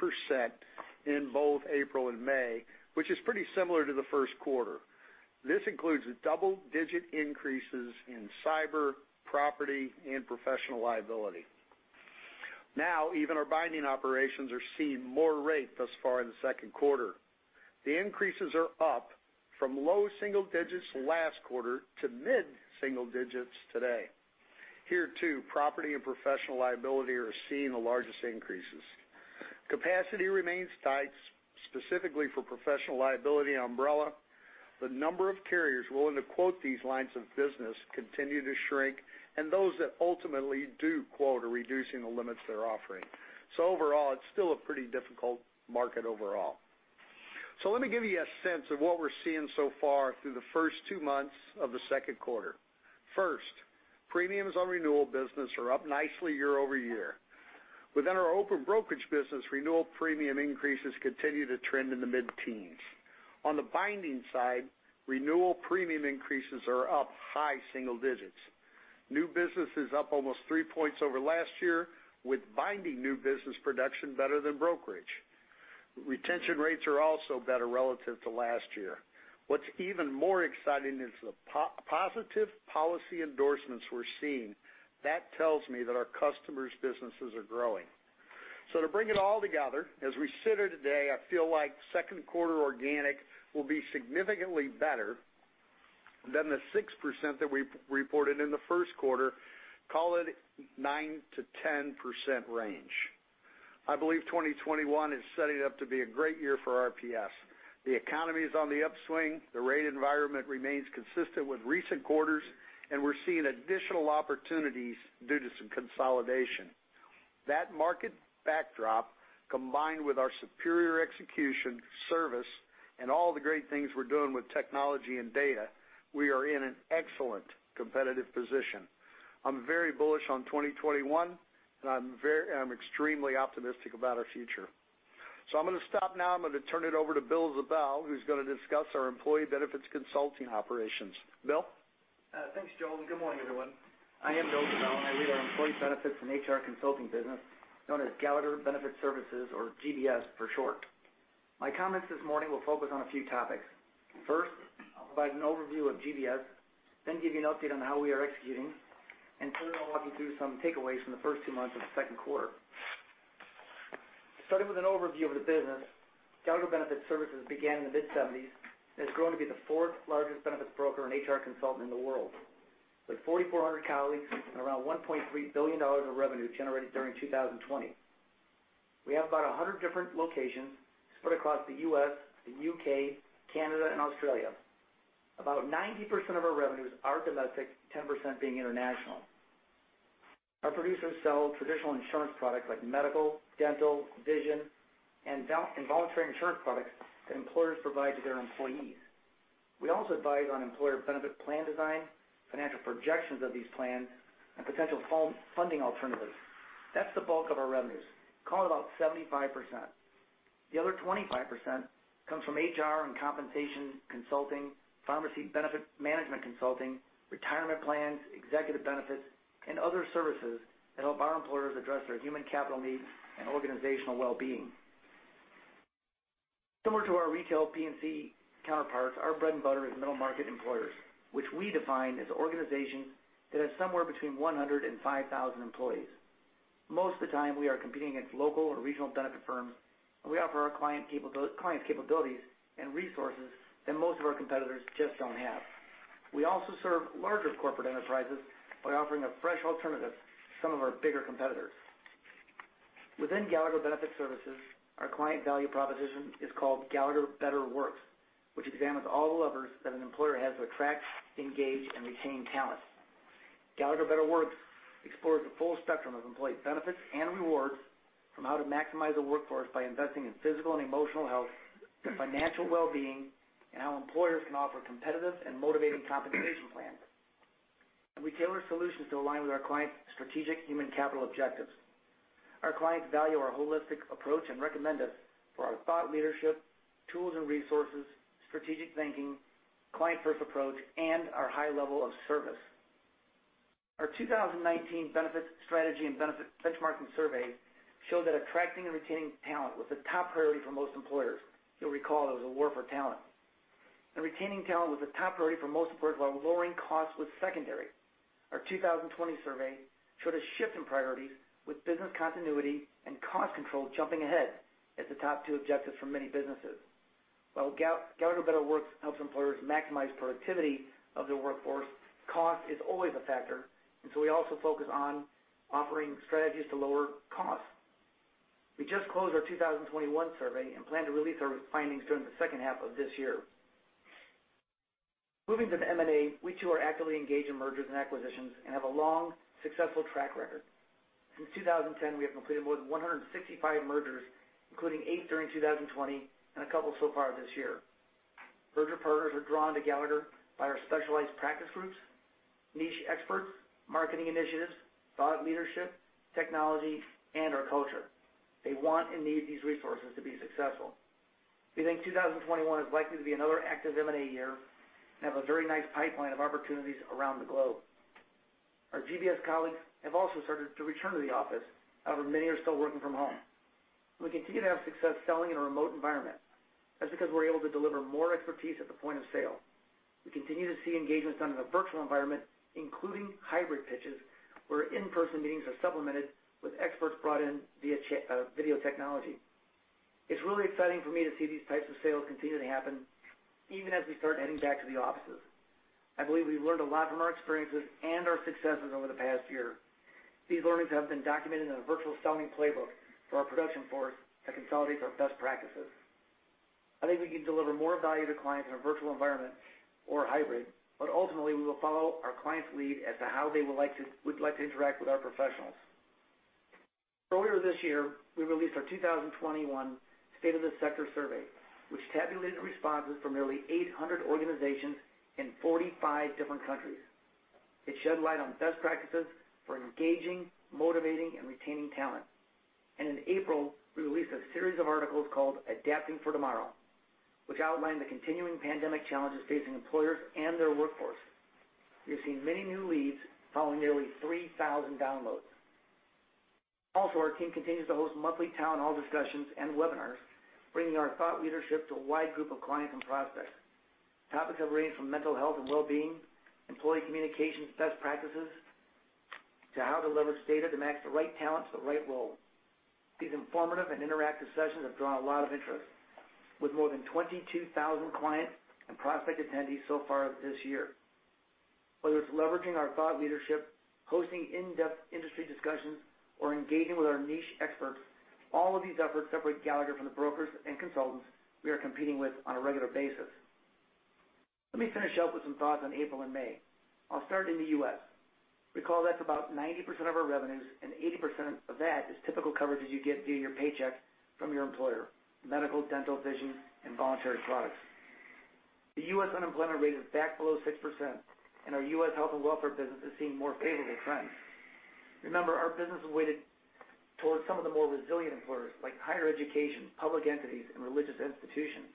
in both April and May, which is pretty similar to the first quarter. This includes double-digit increases in cyber, property, and professional liability. Even our binding operations are seeing more rate thus far in the second quarter. The increases are up from low single digits last quarter to mid-single digits today. Here too, property and professional liability are seeing the largest increases. Capacity remains tight, specifically for professional liability umbrella. The number of carriers willing to quote these lines of business continue to shrink, and those that ultimately do quote are reducing the limits they're offering. Overall, it's still a pretty difficult market overall. Let me give you a sense of what we're seeing so far through the first two months of the second quarter. First, premiums on renewal business are up nicely year-over-year. Within our open brokerage business, renewal premium increases continue to trend in the mid-teens. On the binding side, renewal premium increases are up high single digits. New business is up almost 3 points over last year, with binding new business production better than brokerage. Retention rates are also better relative to last year. What's even more exciting is the positive policy endorsements we're seeing. That tells me that our customers' businesses are growing. To bring it all together, as we sit here today, I feel like second quarter organic will be significantly better than the 6% that we reported in the first quarter, call it 9%-10% range. I believe 2021 is setting up to be a great year for RPS. The economy is on the upswing, the rate environment remains consistent with recent quarters. We're seeing additional opportunities due to some consolidation. That market backdrop, combined with our superior execution, service, and all the great things we're doing with technology and data, we are in an excellent competitive position. I'm very bullish on 2021. I'm extremely optimistic about our future. I'm going to stop now. I'm going to turn it over to Bill Ziebell, who's going to discuss our employee benefits consulting operations. Bill? Thanks, Joel. Good morning, everyone. I am Bill Ziebell. I lead our employee benefits and HR consulting business, known as Gallagher Benefit Services, or GBS for short. My comments this morning will focus on a few topics. First, I'll provide an overview of GBS. Give you an update on how we are executing. Finally, I'll walk you through some takeaways from the first 2 months of the second quarter. Starting with an overview of the business, Gallagher Benefit Services began in the mid-'70s and has grown to be the fourth largest benefits broker and HR consultant in the world, with 4,400 colleagues and around $1.3 billion of revenue generated during 2020. We have about 100 different locations spread across the U.S., the U.K., Canada, and Australia. About 90% of our revenues are domestic, 10% being international. Our producers sell traditional insurance products like medical, dental, vision, and voluntary insurance products that employers provide to their employees. We also advise on employer benefit plan design, financial projections of these plans, and potential funding alternatives. That's the bulk of our revenues, call it about 75%. The other 25% comes from HR and compensation consulting, pharmacy benefit management consulting, retirement plans, executive benefits, and other services that help our employers address their human capital needs and organizational wellbeing. Similar to our retail P&C counterparts, our bread and butter is middle market employers, which we define as organizations that have somewhere between 100 and 5,000 employees. Most of the time, we are competing against local or regional benefit firms. We offer our clients capabilities and resources that most of our competitors just don't have. We also serve larger corporate enterprises by offering a fresh alternative to some of our bigger competitors. Within Gallagher Benefit Services, our client value proposition is called Gallagher Better Works, which examines all the levers that an employer has to attract, engage, and retain talent. Gallagher Better Works explores the full spectrum of employee benefits and rewards, from how to maximize the workforce by investing in physical and emotional health, financial wellbeing, and how employers can offer competitive and motivating compensation plans. We tailor solutions to align with our clients' strategic human capital objectives. Our clients value our holistic approach and recommend us for our thought leadership, tools and resources, strategic thinking, client-first approach, and our high level of service. Our 2019 Benefits Strategy & Benchmarking Survey showed that attracting and retaining talent was the top priority for most employers. You'll recall it was a war for talent, and retaining talent was the top priority for most employers, while lowering costs was secondary. Our 2020 survey showed a shift in priorities, with business continuity and cost control jumping ahead as the top two objectives for many businesses. While Gallagher Better Works helps employers maximize productivity of their workforce, cost is always a factor, so we also focus on offering strategies to lower costs. We just closed our 2021 survey and plan to release our findings during the second half of this year. Moving to the M&A, we too are actively engaged in mergers and acquisitions and have a long, successful track record. Since 2010, we have completed more than 165 mergers, including eight during 2020 and a couple so far this year. Merger partners are drawn to Gallagher by our specialized practice groups, niche experts, marketing initiatives, thought leadership, technology, and our culture. They want and need these resources to be successful. We think 2021 is likely to be another active M&A year and have a very nice pipeline of opportunities around the globe. Our GBS colleagues have also started to return to the office. However, many are still working from home. We continue to have success selling in a remote environment. That's because we're able to deliver more expertise at the point of sale. We continue to see engagements done in a virtual environment, including hybrid pitches, where in-person meetings are supplemented with experts brought in via video technology. It's really exciting for me to see these types of sales continuing to happen even as we start heading back to the offices. I believe we've learned a lot from our experiences and our successes over the past year. These learnings have been documented in a virtual selling playbook for our production force that consolidates our best practices. I think we can deliver more value to clients in a virtual environment or hybrid, but ultimately, we will follow our client's lead as to how they would like to interact with our professionals. Earlier this year, we released our 2021 State of the Sector survey, which tabulated the responses from nearly 800 organizations in 45 different countries. In April, we released a series of articles called Adapting for Tomorrow, which outlined the continuing pandemic challenges facing employers and their workforce. We have seen many new leads following nearly 3,000 downloads. Our team continues to host monthly town hall discussions and webinars, bringing our thought leadership to a wide group of clients and prospects. Topics have ranged from mental health and well-being, employee communications best practices, to how to leverage data to match the right talent to the right role. These informative and interactive sessions have drawn a lot of interest, with more than 22,000 client and prospect attendees so far this year. Whether it's leveraging our thought leadership, hosting in-depth industry discussions, or engaging with our niche experts, all of these efforts separate Gallagher from the brokers and consultants we are competing with on a regular basis. Let me finish up with some thoughts on April and May. I'll start in the U.S. That's about 90% of our revenues, and 80% of that is typical coverages you get via your paycheck from your employer, medical, dental, vision, and voluntary products. The U.S. unemployment rate is back below 6%, and our U.S. health and welfare business is seeing more favorable trends. Remember, our business is weighted towards some of the more resilient employers like higher education, public entities, and religious institutions.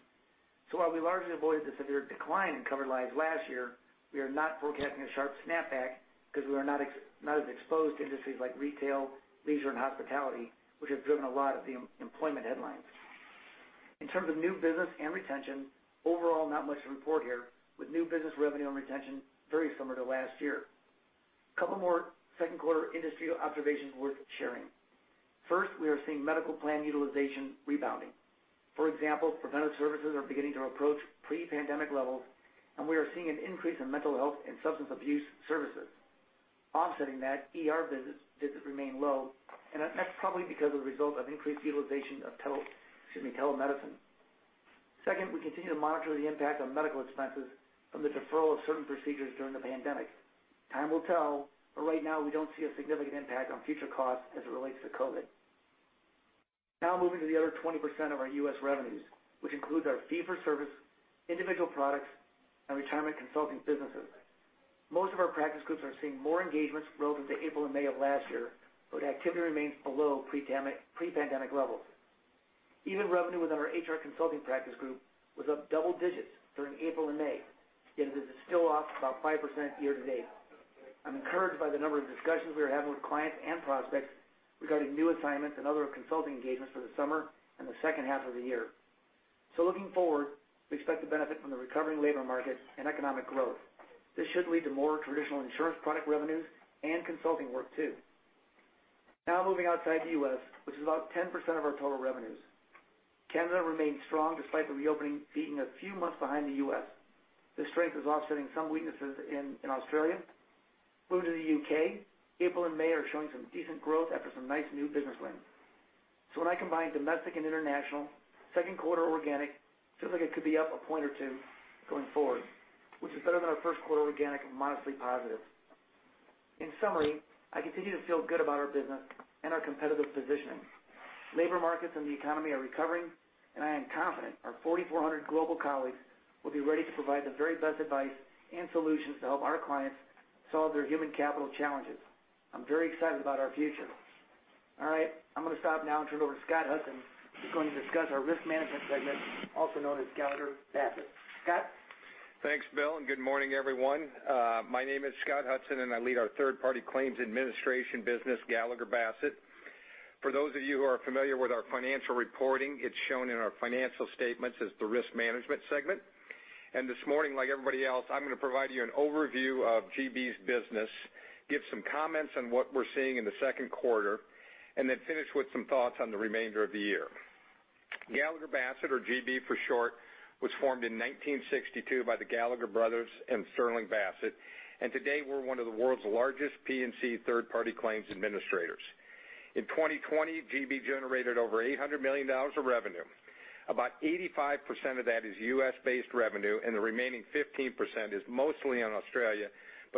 While we largely avoided the severe decline in covered lives last year, we are not forecasting a sharp snapback because we are not as exposed to industries like retail, leisure, and hospitality, which have driven a lot of the employment headlines. In terms of new business and retention, overall, not much to report here, with new business revenue and retention very similar to last year. A couple more second-quarter industry observations worth sharing. First, we are seeing medical plan utilization rebounding. Preventive services are beginning to approach pre-pandemic levels, and we are seeing an increase in mental health and substance abuse services. Offsetting that, ER visits remain low, and that's probably because of the result of increased utilization of telemedicine. Second, we continue to monitor the impact on medical expenses from the deferral of certain procedures during the pandemic. Time will tell, but right now, we don't see a significant impact on future costs as it relates to COVID. Moving to the other 20% of our U.S. revenues, which includes our fee-for-service, individual products, and retirement consulting businesses. Most of our practice groups are seeing more engagements relative to April and May of last year, but activity remains below pre-pandemic levels. Even revenue within our HR consulting practice group was up double digits during April and May. It is still off about 5% year to date. I'm encouraged by the number of discussions we are having with clients and prospects regarding new assignments and other consulting engagements for the summer and the second half of the year. Looking forward, we expect to benefit from the recovering labor market and economic growth. This should lead to more traditional insurance product revenues and consulting work, too. Moving outside the U.S., which is about 10% of our total revenues. Canada remains strong despite the reopening being a few months behind the U.S. This strength is offsetting some weaknesses in Australia. Moving to the U.K., April and May are showing some decent growth after some nice new business wins. When I combine domestic and international, second quarter organic feels like it could be up a point or two going forward, which is better than our first quarter organic and modestly positive. In summary, I continue to feel good about our business and our competitive positioning. Labor markets and the economy are recovering, and I am confident our 4,400 global colleagues will be ready to provide the very best advice and solutions to help our clients solve their human capital challenges. I'm very excited about our future. All right. I'm going to stop now and turn it over to Scott Hudson, who's going to discuss our risk management segment, also known as Gallagher Bassett. Scott? Thanks, Bill, good morning, everyone. My name is Scott Hudson, I lead our third-party claims administration business, Gallagher Bassett. For those of you who are familiar with our financial reporting, it's shown in our financial statements as the risk management segment. This morning, like everybody else, I'm going to provide you an overview of GB's business, give some comments on what we're seeing in the second quarter, finish with some thoughts on the remainder of the year. Gallagher Bassett, or GB for short, was formed in 1962 by the Gallagher brothers and Sterling Bassett, today we're one of the world's largest P&C third-party claims administrators. In 2020, GB generated over $800 million of revenue. About 85% of that is U.S.-based revenue, the remaining 15% is mostly in Australia,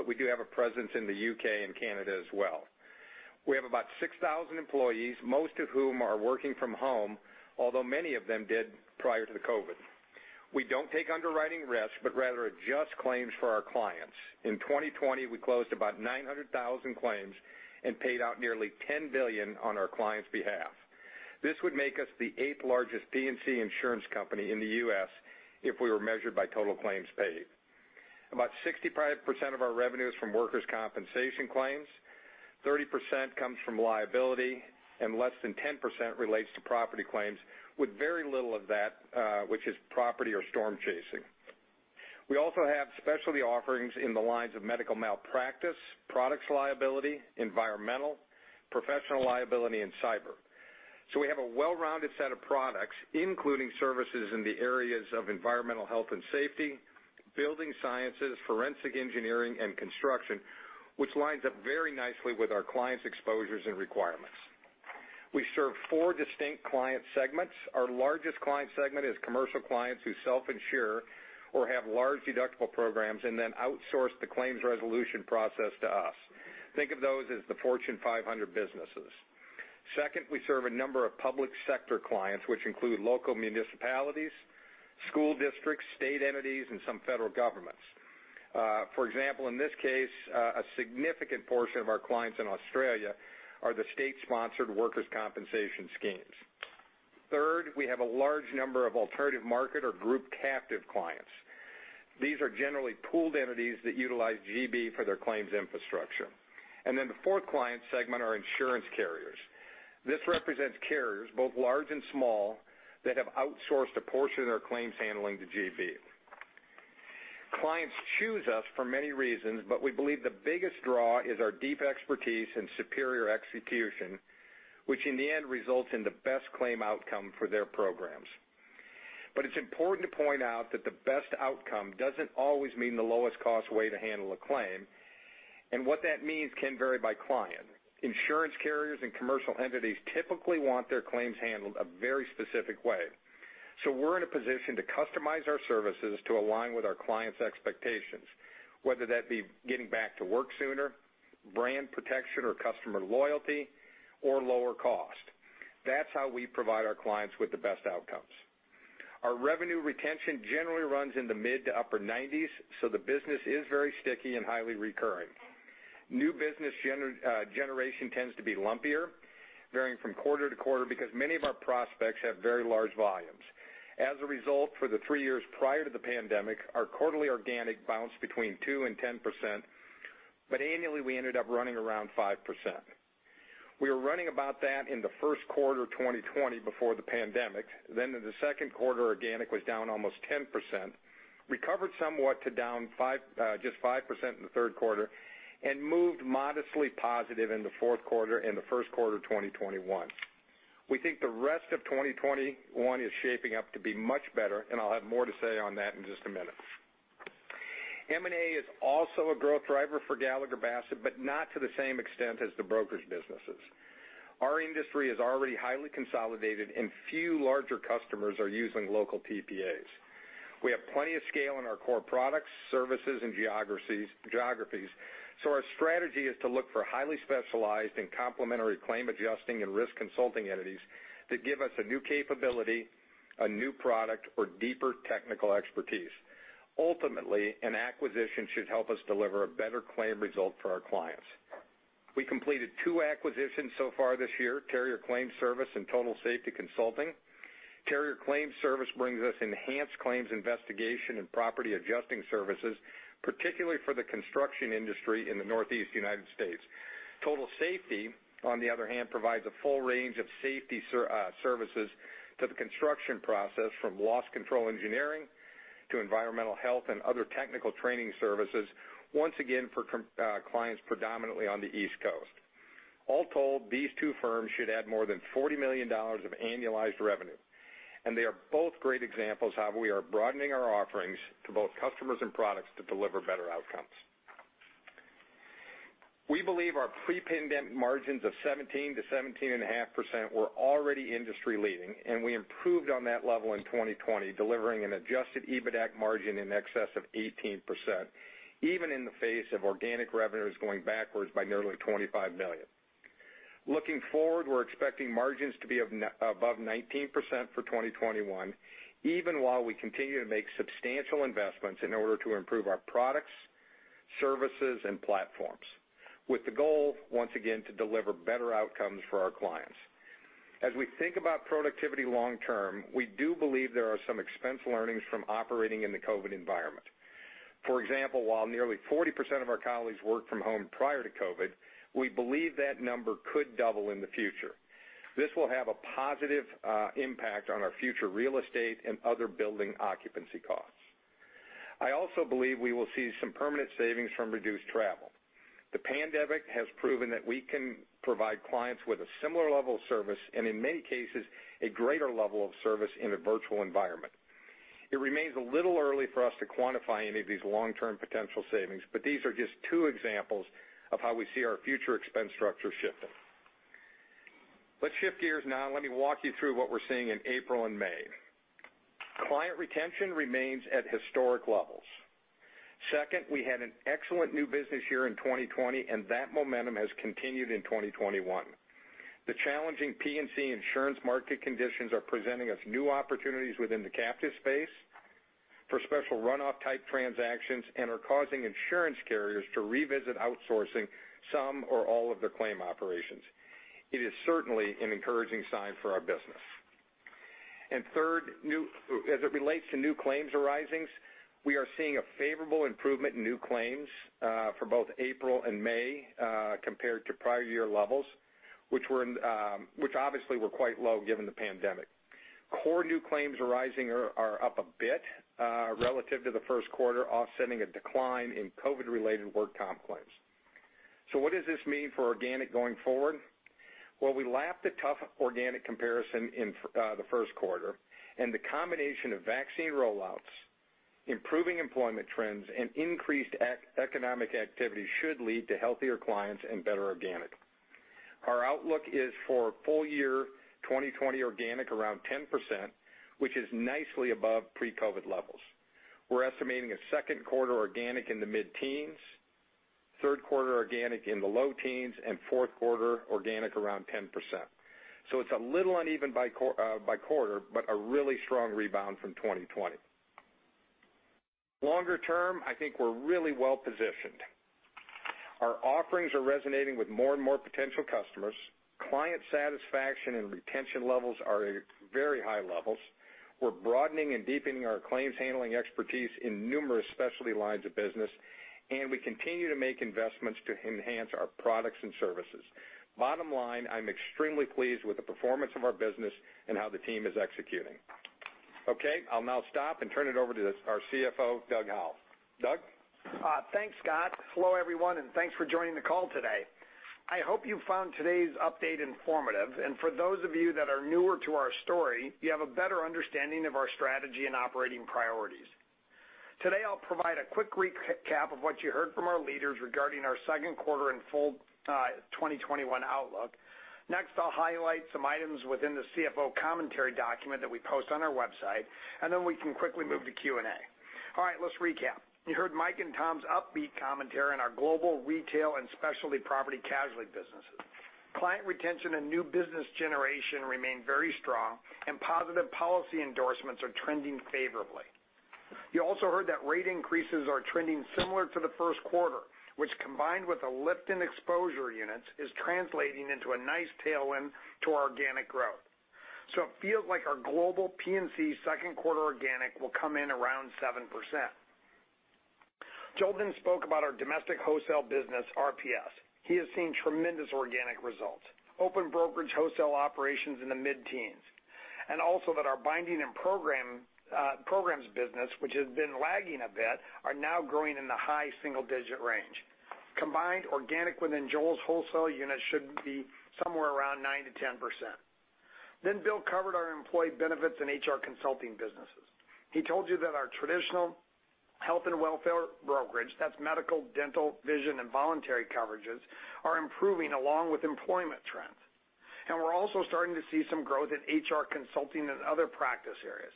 we do have a presence in the U.K. and Canada as well. We have about 6,000 employees, most of whom are working from home, although many of them did prior to the COVID. We don't take underwriting risk, rather adjust claims for our clients. In 2020, we closed about 900,000 claims paid out nearly $10 billion on our clients' behalf. This would make us the eighth largest P&C insurance company in the U.S. if we were measured by total claims paid. About 65% of our revenue is from workers' compensation claims, 30% comes from liability, less than 10% relates to property claims, with very little of that which is property or storm chasing. We also have specialty offerings in the lines of medical malpractice, products liability, environmental, professional liability, and cyber. We have a well-rounded set of products, including services in the areas of environmental health and safety, building sciences, forensic engineering, and construction, which lines up very nicely with our clients' exposures and requirements. We serve four distinct client segments. Our largest client segment is commercial clients who self-insure or have large deductible programs and then outsource the claims resolution process to us. Think of those as the Fortune 500 businesses. Second, we serve a number of public sector clients, which include local municipalities, school districts, state entities, and some federal governments. For example, in this case, a significant portion of our clients in Australia are the state-sponsored workers compensation schemes. Third, we have a large number of alternative market or group captive clients. These are generally pooled entities that utilize GB for their claims infrastructure. Then the fourth client segment are insurance carriers. This represents carriers, both large and small, that have outsourced a portion of their claims handling to GB. Clients choose us for many reasons, but we believe the biggest draw is our deep expertise and superior execution, which in the end results in the best claim outcome for their programs. It's important to point out that the best outcome doesn't always mean the lowest cost way to handle a claim, and what that means can vary by client. Insurance carriers and commercial entities typically want their claims handled a very specific way. We're in a position to customize our services to align with our clients' expectations, whether that be getting back to work sooner, brand protection or customer loyalty, or lower cost. That's how we provide our clients with the best outcomes. Our revenue retention generally runs in the mid to upper 90s, the business is very sticky and highly recurring. New business generation tends to be lumpier, varying from quarter to quarter, because many of our prospects have very large volumes. As a result, for the three years prior to the pandemic, our quarterly organic bounced between 2% and 10%, but annually, we ended up running around 5%. We were running about that in the first quarter 2020 before the pandemic. In the second quarter, organic was down almost 10%, recovered somewhat to down just 5% in the third quarter, and moved modestly positive in the fourth quarter and the first quarter 2021. We think the rest of 2021 is shaping up to be much better, I'll have more to say on that in just a minute. M&A is also a growth driver for Gallagher Bassett, not to the same extent as the brokerage businesses. Our industry is already highly consolidated and few larger customers are using local TPAs. We have plenty of scale in our core products, services, and geographies, our strategy is to look for highly specialized and complementary claim adjusting and risk consulting entities that give us a new capability, a new product, or deeper technical expertise. Ultimately, an acquisition should help us deliver a better claim result for our clients. We completed two acquisitions so far this year, Carrier Claim Service and Total Safety Consulting. Carrier Claim Service brings us enhanced claims investigation and property adjusting services, particularly for the construction industry in the Northeast U.S. Total Safety, on the other hand, provides a full range of safety services to the construction process, from loss control engineering to environmental health and other technical training services, once again, for clients predominantly on the East Coast. All told, these two firms should add more than $40 million of annualized revenue, they are both great examples how we are broadening our offerings to both customers and products to deliver better outcomes. We believe our pre-pandemic margins of 17%-17.5% were already industry leading, we improved on that level in 2020, delivering an adjusted EBITAC margin in excess of 18%, even in the face of organic revenues going backwards by nearly $25 million. Looking forward, we're expecting margins to be above 19% for 2021, even while we continue to make substantial investments in order to improve our products, services, and platforms with the goal, once again, to deliver better outcomes for our clients. As we think about productivity long term, we do believe there are some expense learnings from operating in the COVID environment. For example, while nearly 40% of our colleagues worked from home prior to COVID, we believe that number could double in the future. This will have a positive impact on our future real estate and other building occupancy costs. I also believe we will see some permanent savings from reduced travel. The pandemic has proven that we can provide clients with a similar level of service, and in many cases, a greater level of service in a virtual environment. It remains a little early for us to quantify any of these long-term potential savings, these are just two examples of how we see our future expense structure shifting. Let's shift gears now, let me walk you through what we're seeing in April and May. Client retention remains at historic levels. Second, we had an excellent new business year in 2020, and that momentum has continued in 2021. The challenging P&C insurance market conditions are presenting us new opportunities within the captive space for special runoff-type transactions and are causing insurance carriers to revisit outsourcing some or all of their claim operations. It is certainly an encouraging sign for our business. Third, as it relates to new claims arisings, we are seeing a favorable improvement in new claims for both April and May compared to prior year levels, which obviously were quite low given the pandemic. Core new claims arising are up a bit relative to the first quarter, offsetting a decline in COVID-related work comp claims. What does this mean for organic going forward? Well, I lapped a tough organic comparison in the first quarter. The combination of vaccine roll-outs, improving employment trends, and increased economic activity should lead to healthier clients and better organic. Our outlook is for full-year 2020 organic around 10%, which is nicely above pre-COVID levels. We're estimating a second quarter organic in the mid-teens, third quarter organic in the low teens, and fourth quarter organic around 10%. It's a little uneven by quarter, but a really strong rebound from 2020. Longer term, I think we're really well-positioned. Our offerings are resonating with more and more potential customers. Client satisfaction and retention levels are at very high levels. We're broadening and deepening our claims handling expertise in numerous specialty lines of business, we continue to make investments to enhance our products and services. Bottom line, I'm extremely pleased with the performance of our business and how the team is executing. Okay. I'll now stop and turn it over to our CFO, Doug Howell. Doug? Thanks, Scott. Hello, everyone, thanks for joining the call today. I hope you found today's update informative, for those of you that are newer to our story, you have a better understanding of our strategy and operating priorities. Today, I'll provide a quick recap of what you heard from our leaders regarding our second quarter and full 2021 outlook. I'll highlight some items within the CFO commentary document that we post on our website, then we can quickly move to Q&A. All right, let's recap. You heard Mike and Tom's upbeat commentary on our global retail and specialty property casualty businesses. Client retention and new business generation remain very strong, positive policy endorsements are trending favorably. You also heard that rate increases are trending similar to the first quarter, which, combined with a lift in exposure units, is translating into a nice tailwind to our organic growth. It feels like our global P&C second quarter organic will come in around 7%. Joel spoke about our domestic wholesale business, RPS. He has seen tremendous organic results. Open brokerage wholesale operations in the mid-teens, also that our binding and programs business, which has been lagging a bit, are now growing in the high single-digit range. Combined, organic within Joel's wholesale unit should be somewhere around 9%-10%. Bill covered our employee benefits and HR consulting businesses. He told you that our traditional health and welfare brokerage, that's medical, dental, vision, and voluntary coverages, are improving along with employment trends. We're also starting to see some growth in HR consulting and other practice areas.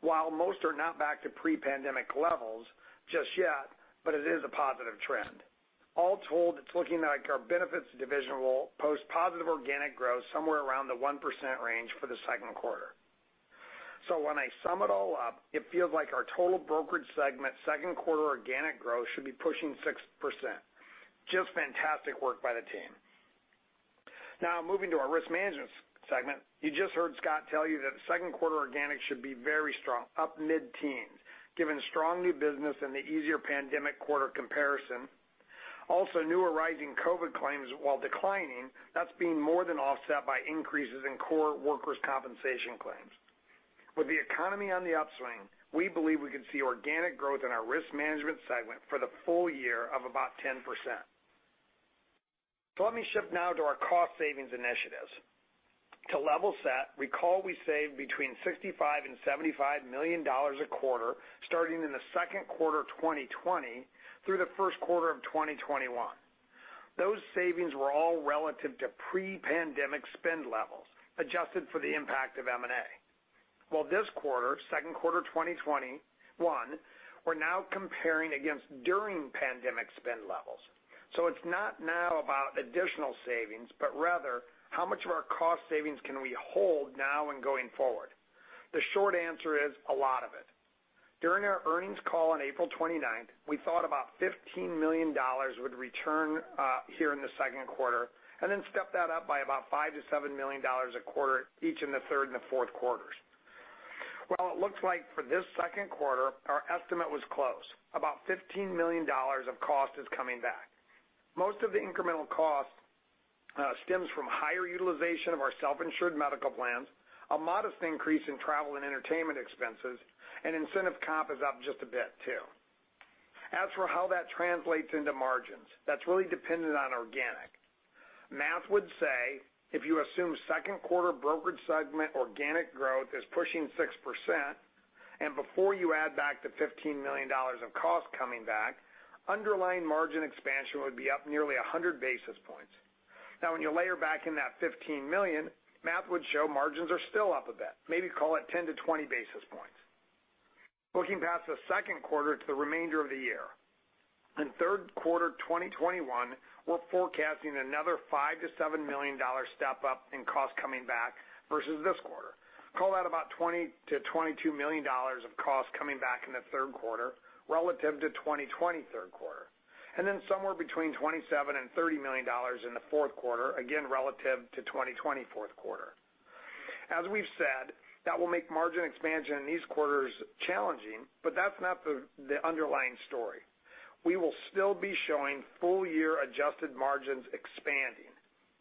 While most are not back to pre-pandemic levels just yet, it is a positive trend. All told, it's looking like our benefits division will post positive organic growth somewhere around the 1% range for the second quarter. When I sum it all up, it feels like our total brokerage segment second quarter organic growth should be pushing 6%. Just fantastic work by the team. Moving to our risk management segment. You just heard Scott tell you that second quarter organic should be very strong, up mid-teens, given strong new business and the easier pandemic quarter comparison. New arising COVID claims, while declining, that's being more than offset by increases in core workers' compensation claims. With the economy on the upswing, we believe we could see organic growth in our risk management segment for the full year of about 10%. Let me shift now to our cost savings initiatives. To level set, recall we saved between $65 million-$75 million a quarter starting in the second quarter of 2020 through the first quarter of 2021. Those savings were all relative to pre-pandemic spend levels, adjusted for the impact of M&A. This quarter, second quarter 2021, we're now comparing against during-pandemic spend levels. It's not now about additional savings, rather how much of our cost savings can we hold now and going forward. The short answer is a lot of it. During our earnings call on April 29th, we thought about $15 million would return here in the second quarter and then step that up by about $5 million-$7 million a quarter each in the third and the fourth quarters. Well, it looks like for this second quarter, our estimate was close. About $15 million of cost is coming back. Most of the incremental cost stems from higher utilization of our self-insured medical plans, a modest increase in travel and entertainment expenses, and incentive comp is up just a bit, too. As for how that translates into margins, that's really dependent on organic. Math would say if you assume second quarter brokerage segment organic growth is pushing 6%. Before you add back the $15 million of cost coming back, underlying margin expansion would be up nearly 100 basis points. Now, when you layer back in that $15 million, math would show margins are still up a bit, maybe call it 10-20 basis points. Looking past the second quarter to the remainder of the year. In third quarter 2021, we're forecasting another $5 million-$7 million step up in cost coming back versus this quarter. Call that about $20 million-$22 million of cost coming back in the third quarter relative to 2020 third quarter. Somewhere between $27 million-$30 million in the fourth quarter, again, relative to 2020 fourth quarter. As we've said, that will make margin expansion in these quarters challenging, but that's not the underlying story. We will still be showing full year adjusted margins expanding.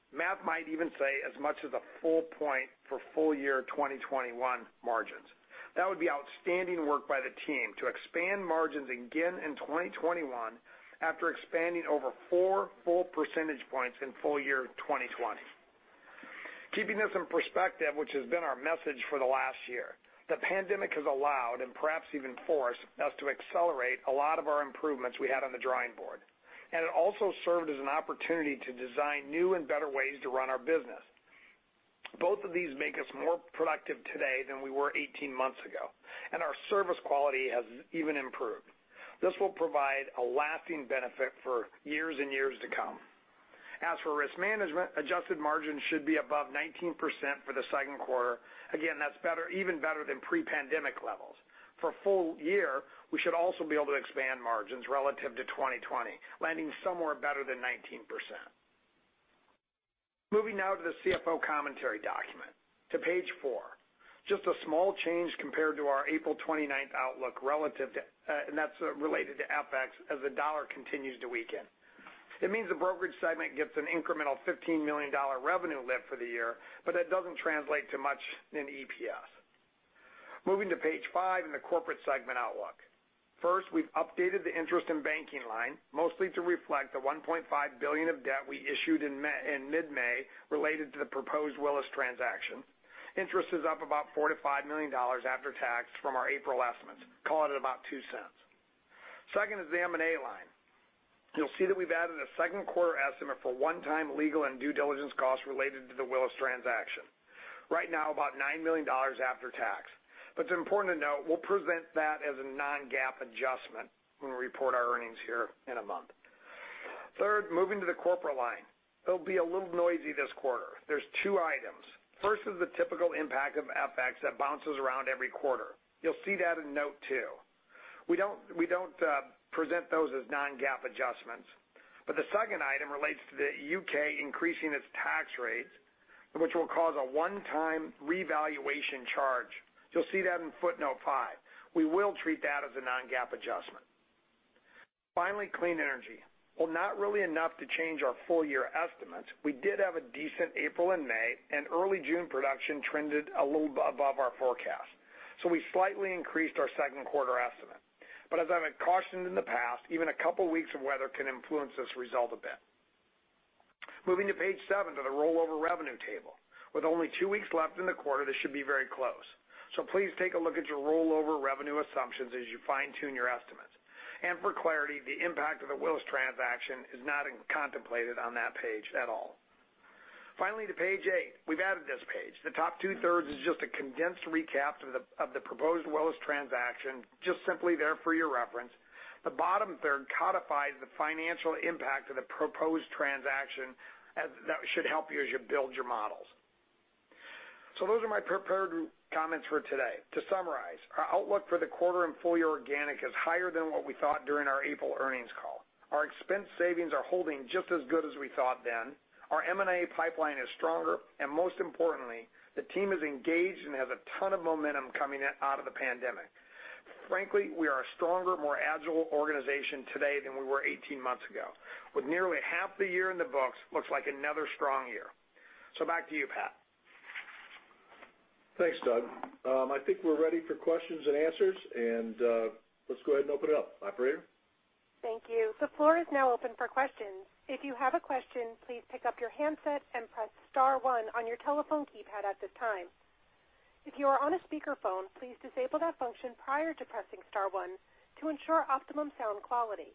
Math might even say as much as a full point for full year 2021 margins. That would be outstanding work by the team to expand margins again in 2021 after expanding over four full percentage points in full year 2020. Keeping this in perspective, which has been our message for the last year, the pandemic has allowed, and perhaps even forced us, to accelerate a lot of our improvements we had on the drawing board. It also served as an opportunity to design new and better ways to run our business. Both of these make us more productive today than we were 18 months ago, and our service quality has even improved. This will provide a lasting benefit for years and years to come. As for risk management, adjusted margins should be above 19% for the second quarter. Again, that's even better than pre-pandemic levels. For full year, we should also be able to expand margins relative to 2020, landing somewhere better than 19%. Moving now to the CFO commentary document to page four. Just a small change compared to our April 29th outlook related to FX as the dollar continues to weaken. It means the brokerage segment gets an incremental $15 million revenue lift for the year, but that doesn't translate to much in EPS. Moving to page five in the corporate segment outlook. First, we've updated the interest in banking line, mostly to reflect the $1.5 billion of debt we issued in mid-May related to the proposed Willis transaction. Interest is up about $4 million-$5 million after tax from our April estimates. Call it about $0.02. Second is the M&A line. You'll see that we've added a second quarter estimate for one-time legal and due diligence costs related to the Willis transaction. Right now, about $9 million after tax. It's important to note, we'll present that as a non-GAAP adjustment when we report our earnings here in a month. Third, moving to the corporate line. It'll be a little noisy this quarter. There's two items. First is the typical impact of FX that bounces around every quarter. You'll see that in note two. We don't present those as non-GAAP adjustments. The second item relates to the U.K. increasing its tax rates, which will cause a one-time revaluation charge. You'll see that in footnote five. We will treat that as a non-GAAP adjustment. Finally, clean energy. While not really enough to change our full-year estimates, we did have a decent April and May, and early June production trended a little above our forecast. We slightly increased our second quarter estimate. As I've cautioned in the past, even a couple weeks of weather can influence this result a bit. Moving to page seven to the rollover revenue table. With only two weeks left in the quarter, this should be very close. Please take a look at your rollover revenue assumptions as you fine-tune your estimates. For clarity, the impact of the Willis transaction is not contemplated on that page at all. Finally, to page eight. We've added this page. The top two-thirds is just a condensed recap of the proposed Willis transaction, just simply there for your reference. The bottom third codifies the financial impact of the proposed transaction that should help you as you build your models. Those are my prepared comments for today. To summarize, our outlook for the quarter and full-year organic is higher than what we thought during our April earnings call. Our expense savings are holding just as good as we thought then. Our M&A pipeline is stronger, most importantly, the team is engaged and has a ton of momentum coming out of the pandemic. Frankly, we are a stronger, more agile organization today than we were 18 months ago. With nearly half the year in the books, looks like another strong year. Back to you, Pat. Thanks, Doug. I think we're ready for questions and answers, let's go ahead and open it up. Operator? Thank you. The floor is now open for questions. If you have a question, please pick up your handset and press *1 on your telephone keypad at this time. If you are on a speakerphone, please disable that function prior to pressing *1 to ensure optimum sound quality.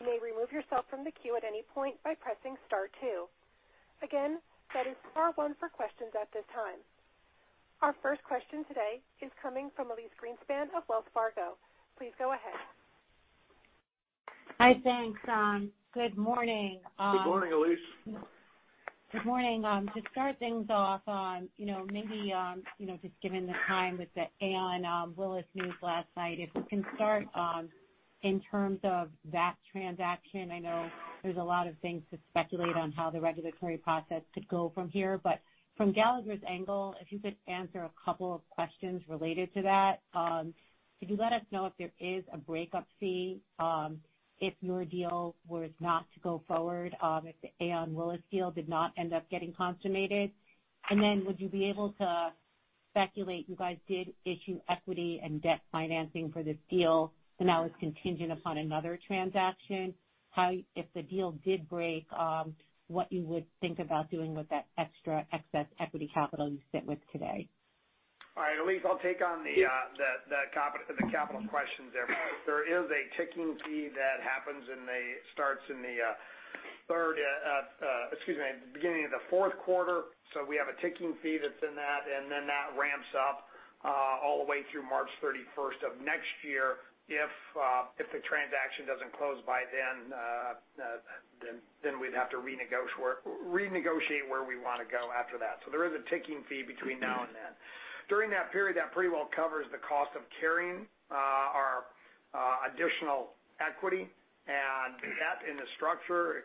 You may remove yourself from the queue at any point by pressing *2. Again, that is *1 for questions at this time. Our first question today is coming from Elyse Greenspan of Wells Fargo. Please go ahead. Hi, thanks. Good morning. Good morning, Elyse. Good morning. To start things off on maybe just given the time with the Aon-Willis news last night, if you can start in terms of that transaction. I know there's a lot of things to speculate on how the regulatory process could go from here. From Gallagher's angle, if you could answer a couple of questions related to that. Could you let us know if there is a breakup fee if your deal were not to go forward, if the Aon-Willis deal did not end up getting consummated? Would you be able to speculate, you guys did issue equity and debt financing for this deal, and now it's contingent upon another transaction. If the deal did break, what you would think about doing with that extra excess equity capital you sit with today? All right, Elyse, I'll take on the capital question there. There is a ticking fee that happens and starts in the beginning of the fourth quarter. We have a ticking fee that's in that, and then that ramps up all the way through March 31st of next year. If the transaction doesn't close by then, we'd have to renegotiate where we want to go after that. There is a ticking fee between now and then. During that period, that pretty well covers the cost of carrying our additional equity, and that in the structure, it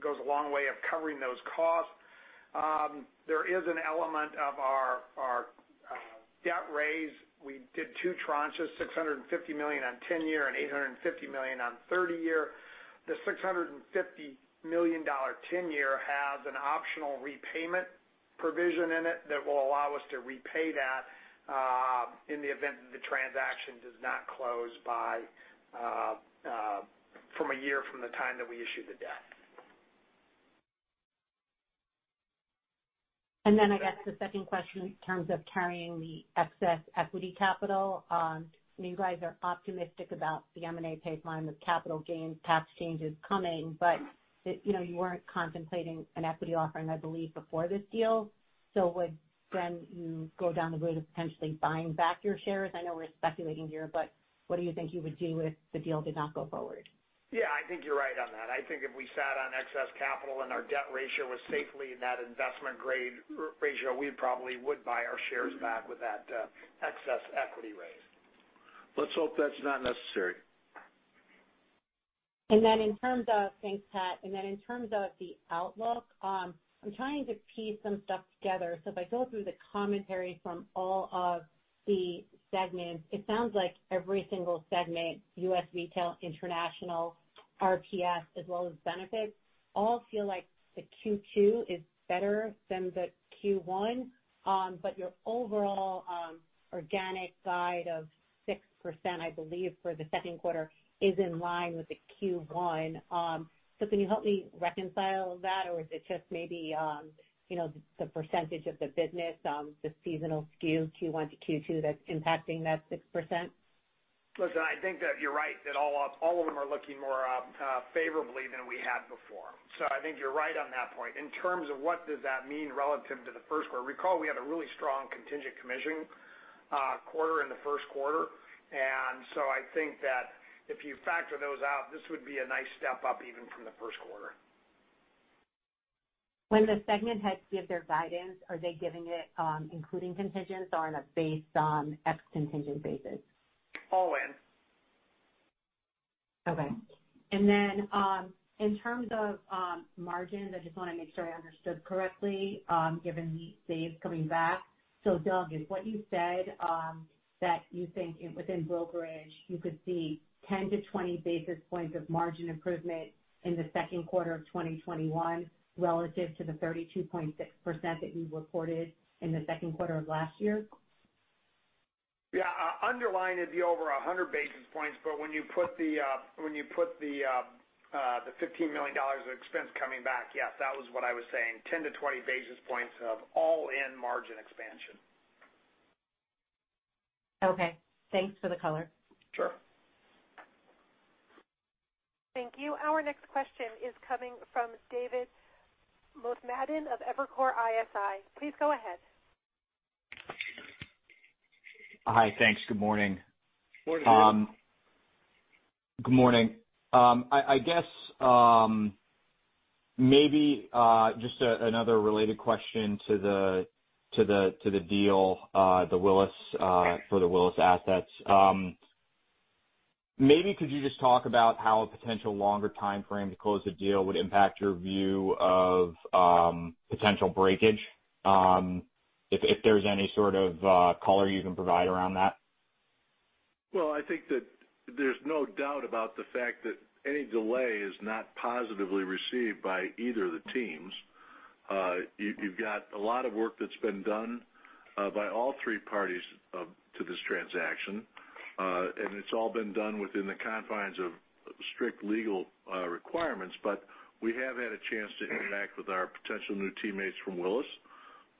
goes a long way of covering those costs. There is an element of our debt raise. We did two tranches, $650 million on 10-year and $850 million on 30-year. The $650 million 10-year has an optional repayment provision in it that will allow us to repay that, in the event that the transaction does not close from a year from the time that we issue the debt. I guess the second question in terms of carrying the excess equity capital. You guys are optimistic about the M&A pipeline with capital gains tax changes coming, but you weren't contemplating an equity offering, I believe, before this deal. Would you go down the route of potentially buying back your shares? I know we're speculating here, but what do you think you would do if the deal did not go forward? Yeah, I think you're right on that. I think if we sat on excess capital and our debt ratio was safely in that investment grade ratio, we probably would buy our shares back with that excess equity raise. Let's hope that's not necessary. Thanks, Pat. In terms of the outlook, I'm trying to piece some stuff together. If I go through the commentary from all of the segments, it sounds like every single segment, U.S. Retail, International, RPS, as well as Benefits, all feel like the Q2 is better than the Q1. Your overall organic guide of 6%, I believe, for the second quarter is in line with the Q1. Can you help me reconcile that, or is it just maybe the percentage of the business, the seasonal skew, Q1 to Q2, that's impacting that 6%? Listen, I think that you're right, that all of them are looking more favorably than we had before. I think you're right on that point. In terms of what does that mean relative to the first quarter, recall we had a really strong contingent commission quarter in the first quarter. I think that if you factor those out, this would be a nice step up even from the first quarter. When the segment heads give their guidance, are they giving it including contingents or in a based on ex-contingent basis? All in. In terms of margins, I just want to make sure I understood correctly, given the saves coming back. Doug, is what you said, that you think within brokerage, you could see 10-20 basis points of margin improvement in the second quarter of 2021 relative to the 32.6% that you reported in the second quarter of last year? Underlying it'd be over 100 basis points, when you put the $15 million of expense coming back, yes, that was what I was saying. 10-20 basis points of all-in margin expansion. Thanks for the color. Sure. Thank you. Our next question is coming from David Motemaden of Evercore ISI. Please go ahead. Hi, thanks. Good morning. Morning. Good morning. I guess, maybe just another related question to the deal for the Willis assets. Maybe could you just talk about how a potential longer timeframe to close the deal would impact your view of potential breakage? If there's any sort of color you can provide around that? Well, I think that there's no doubt about the fact that any delay is not positively received by either of the teams. You've got a lot of work that's been done by all three parties to this transaction. It's all been done within the confines of strict legal requirements, but we have had a chance to interact with our potential new teammates from Willis.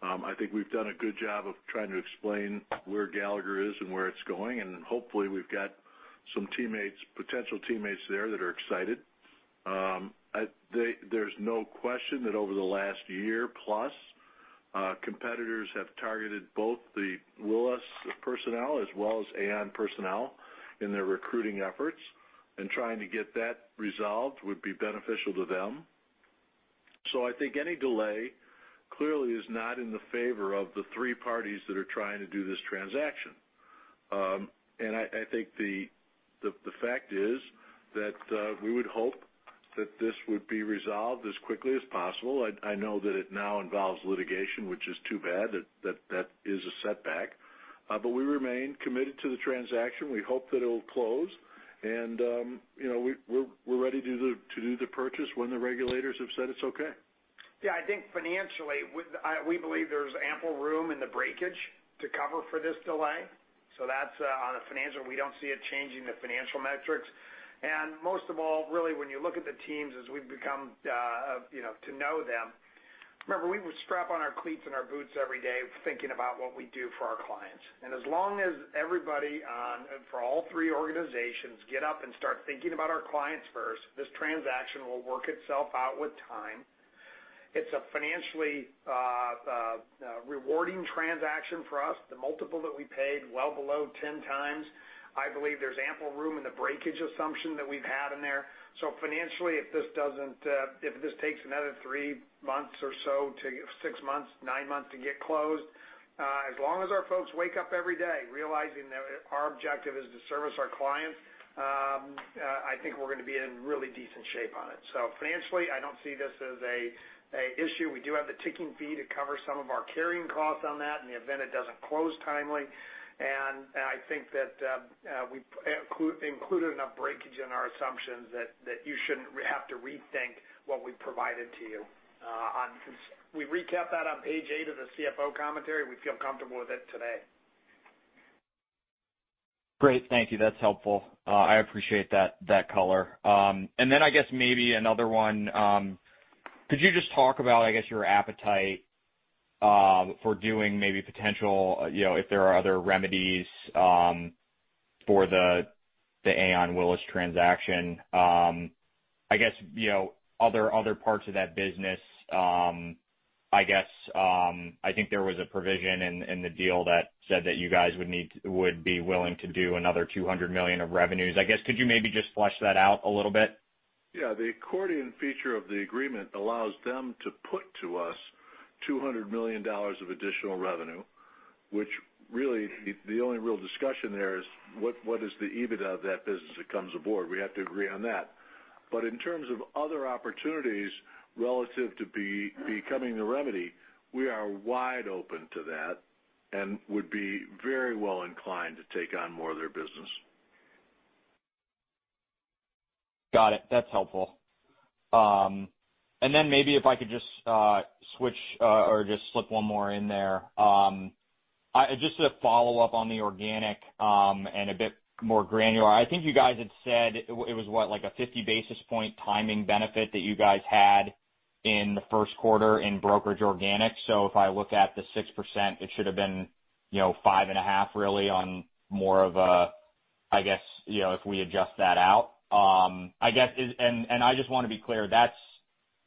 I think we've done a good job of trying to explain where Gallagher is and where it's going, and hopefully we've got some potential teammates there that are excited. There's no question that over the last year plus, competitors have targeted both the Willis personnel as well as Aon personnel in their recruiting efforts, and trying to get that resolved would be beneficial to them. I think any delay clearly is not in the favor of the three parties that are trying to do this transaction. I think the fact is that we would hope that this would be resolved as quickly as possible. I know that it now involves litigation, which is too bad. That is a setback. We remain committed to the transaction. We hope that it'll close, and we're ready to do the purchase when the regulators have said it's okay. I think financially, we believe there's ample room in the breakage to cover for this delay. That's on the financial. We don't see it changing the financial metrics. Most of all, really, when you look at the teams as we've become to know them, remember, we would strap on our cleats and our boots every day thinking about what we do for our clients. As long as everybody for all three organizations get up and start thinking about our clients first, this transaction will work itself out with time. It's a financially rewarding transaction for us. The multiple that we paid, well below 10x. I believe there's ample room in the breakage assumption that we've had in there. Financially, if this takes another three months or so to six months, nine months to get closed, as long as our folks wake up every day realizing that our objective is to service our clients, I think we're going to be in really decent shape on it. Financially, I don't see this as a issue. We do have the ticking fee to cover some of our carrying costs on that in the event it doesn't close timely. I think that we included enough breakage in our assumptions that you shouldn't have to rethink what we provided to you. We recapped that on page eight of the CFO commentary. We feel comfortable with it today. Great. Thank you. That is helpful. I appreciate that color. Maybe another one. Could you just talk about, your appetite for doing maybe potential, if there are other remedies for the Aon Willis transaction. Other parts of that business, I think there was a provision in the deal that said that you guys would be willing to do another $200 million of revenues. Could you maybe just flesh that out a little bit? Yeah. The accordion feature of the agreement allows them to put to us $200 million of additional revenue, which really, the only real discussion there is what is the EBITDA of that business that comes aboard? We have to agree on that. In terms of other opportunities relative to becoming the remedy, we are wide open to that and would be very well inclined to take on more of their business. Got it. That is helpful. Maybe if I could just switch or just slip one more in there. Just to follow up on the organic and a bit more granular, I think you guys had said it was what, like a 50 basis point timing benefit that you guys had in the first quarter in brokerage organic. If I look at the 6%, it should have been 5.5 really on more of a, if we adjust that out. I just want to be clear,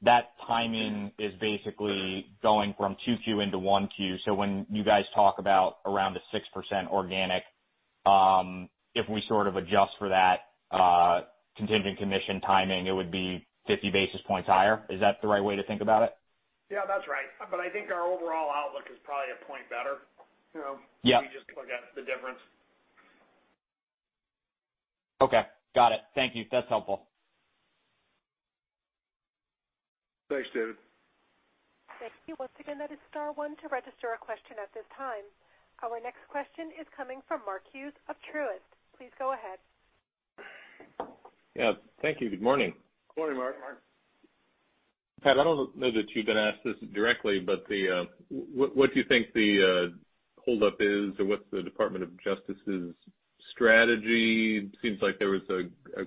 that timing is basically going from 2Q into 1Q. When you guys talk about around the 6% organic, if we sort of adjust for that contingent commission timing, it would be 50 basis points higher. Is that the right way to think about it? Yeah, that is right. I think our overall outlook is probably one point better. Yeah. If we just look at the difference. Okay. Got it. Thank you. That's helpful. Thanks, David. Thank you. Once again, that is star one to register a question at this time. Our next question is coming from Mark Hughes of Truist. Please go ahead. Yeah. Thank you. Good morning. Morning, Mark. Morning. Pat, I don't know that you've been asked this directly, but what do you think the holdup is or what's the Department of Justice's strategy? It seems like there was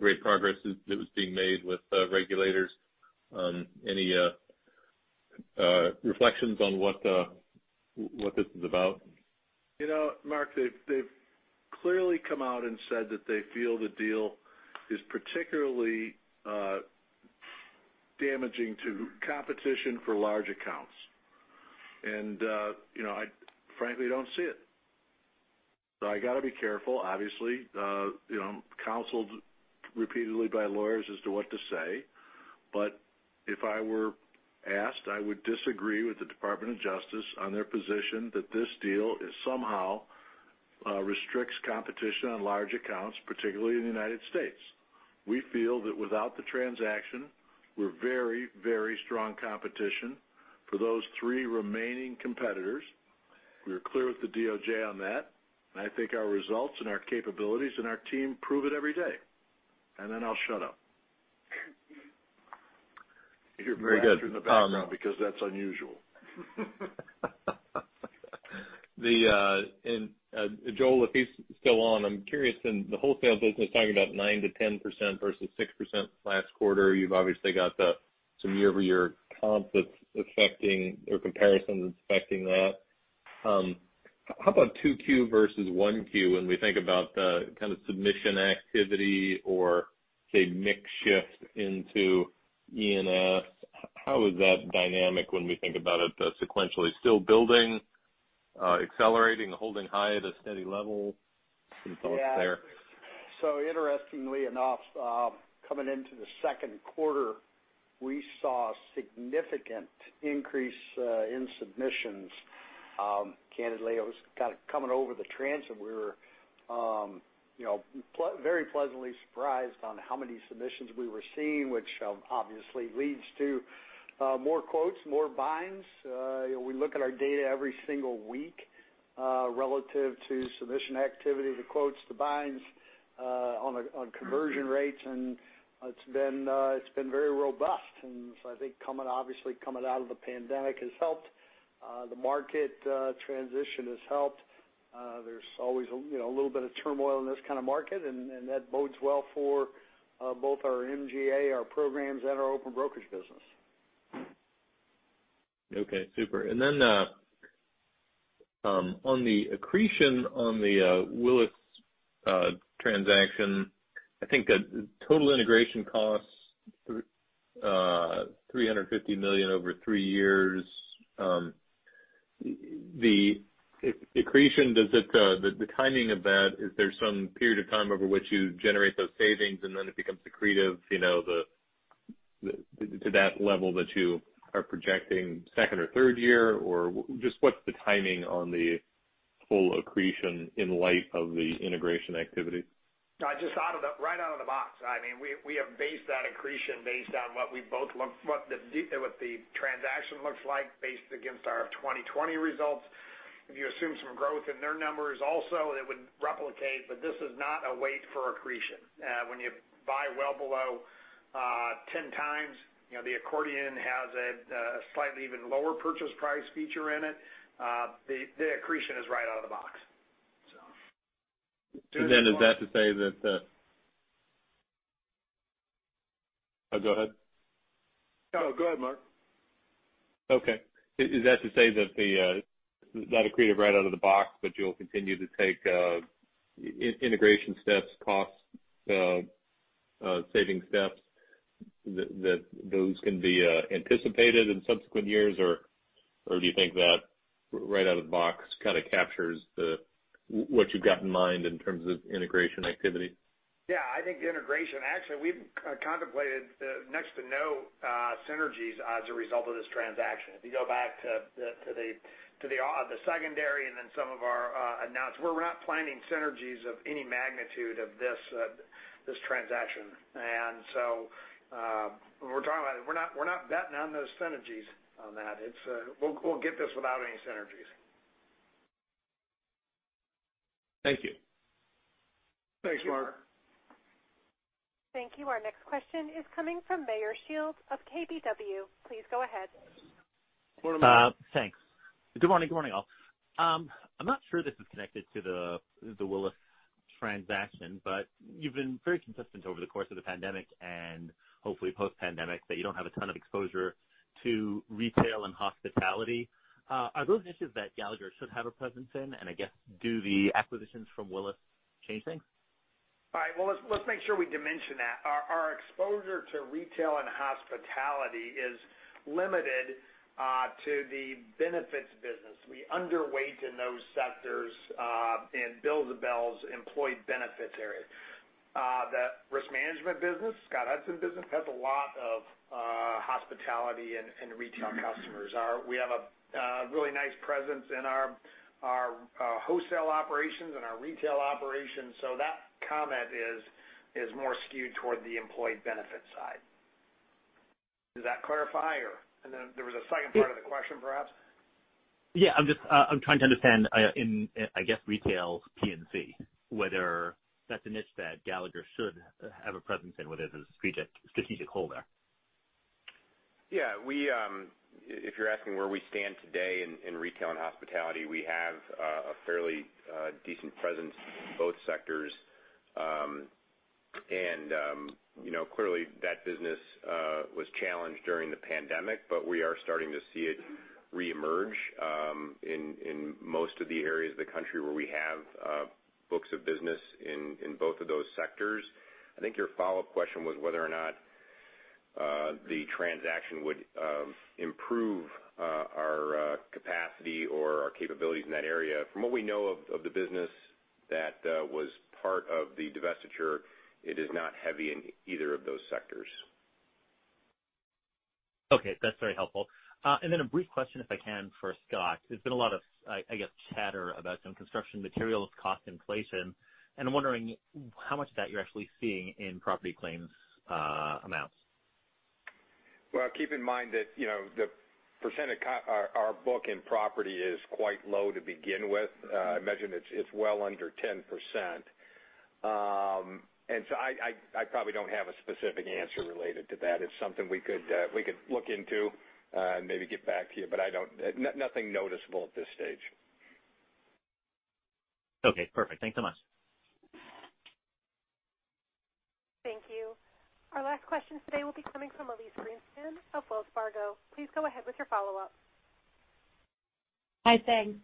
great progress that was being made with the regulators. Any reflections on what this is about? Mark, they've clearly come out and said that they feel the deal is particularly damaging to competition for large accounts. I frankly don't see it. I got to be careful, obviously. Counseled repeatedly by lawyers as to what to say. If I were asked, I would disagree with the Department of Justice on their position that this deal somehow restricts competition on large accounts, particularly in the United States. We feel that without the transaction, we're very strong competition for those three remaining competitors. We are clear with the DOJ on that, and I think our results and our capabilities and our team prove it every day. Then I'll shut up. Very good. You can hear laughter in the background because that's unusual. Joel, if he's still on, I'm curious in the wholesale business, talking about 9%-10% versus 6% last quarter, you've obviously got some year-over-year comps that's affecting, or comparisons affecting that. How about 2Q versus 1Q when we think about the kind of submission activity or, say, mix shift into E&S, how is that dynamic when we think about it sequentially? Still building, accelerating, holding high at a steady level? Some thoughts there. Yeah. Interestingly enough, coming into the second quarter, we saw significant increase in submissions. Candidly, it was kind of coming over the transom. We were very pleasantly surprised on how many submissions we were seeing, which obviously leads to more quotes, more binds. We look at our data every single week relative to submission activity, the quotes, the binds on conversion rates, and it's been very robust. I think obviously coming out of the pandemic has helped. The market transition has helped. There's always a little bit of turmoil in this kind of market, and that bodes well for both our MGA, our programs, and our open brokerage business. Okay, super. On the accretion on the Willis transaction, I think the total integration costs, $350 million over three years. The accretion, the timing of that, is there some period of time over which you generate those savings and then it becomes accretive to that level that you are projecting second or third year? Just what's the timing on the full accretion in light of the integration activity? Just right out of the box. We have based that accretion based on what the transaction looks like based against our 2020 results. If you assume some growth in their numbers also, it would replicate, this is not a wait for accretion. When you buy well below 10 times, the accretion has a slightly even lower purchase price feature in it. The accretion is right out of the box. Is that to say that? Go ahead. No, go ahead, Mark. Okay. Is that to say that the accretive right out of the box, but you'll continue to take integration steps, cost saving steps, that those can be anticipated in subsequent years? Or do you think that right out of the box kind of captures what you've got in mind in terms of integration activity? Yeah, I think the integration, actually, we've contemplated next to no synergies as a result of this transaction. If you go back to the secondary and then some of our announcements, we're not planning synergies of any magnitude of this transaction. When we're talking about it, we're not betting on those synergies on that. We'll get this without any synergies. Thank you. Thanks, Mark. Thank you. Our next question is coming from Meyer Shields of KBW. Please go ahead. Good morning, Meyer. Thanks. Good morning, all. I'm not sure this is connected to the Willis transaction. You've been very consistent over the course of the pandemic and hopefully post-pandemic that you don't have a ton of exposure to retail and hospitality. Are those niches that Gallagher should have a presence in? I guess, do the acquisitions from Willis change things? All right. Well, let's make sure we dimension that. Our exposure to retail and hospitality is limited to the benefits business. We underweight in those sectors in benefits employee benefits area. That risk management business, Scott Hudson business, has a lot of hospitality and retail customers. We have a really nice presence in our wholesale operations and our retail operations. That comment is more skewed toward the employee benefit side. Does that clarify and then there was a second part of the question, perhaps? Yeah, I'm trying to understand in, I guess, retail P&C, whether that's a niche that Gallagher should have a presence in, whether there's a strategic hole there. Yeah. If you're asking where we stand today in retail and hospitality, we have a fairly decent presence in both sectors. Clearly that business was challenged during the pandemic, we are starting to see it reemerge in most of the areas of the country where we have books of business in both of those sectors. I think your follow-up question was whether or not the transaction would improve our capacity or our capabilities in that area. From what we know of the business that was part of the divestiture, it is not heavy in either of those sectors. Okay, that's very helpful. Then a brief question, if I can, for Scott. There's been a lot of, I guess, chatter about some construction materials cost inflation, and I'm wondering how much of that you're actually seeing in property claims amounts. Well, keep in mind that the % of our book in property is quite low to begin with. I imagine it's well under 10%. So I probably don't have a specific answer related to that. It's something we could look into and maybe get back to you, nothing noticeable at this stage. Okay, perfect. Thanks so much. Thank you. Our last question today will be coming from Elyse Greenspan of Wells Fargo. Please go ahead with your follow-up. Hi, thanks.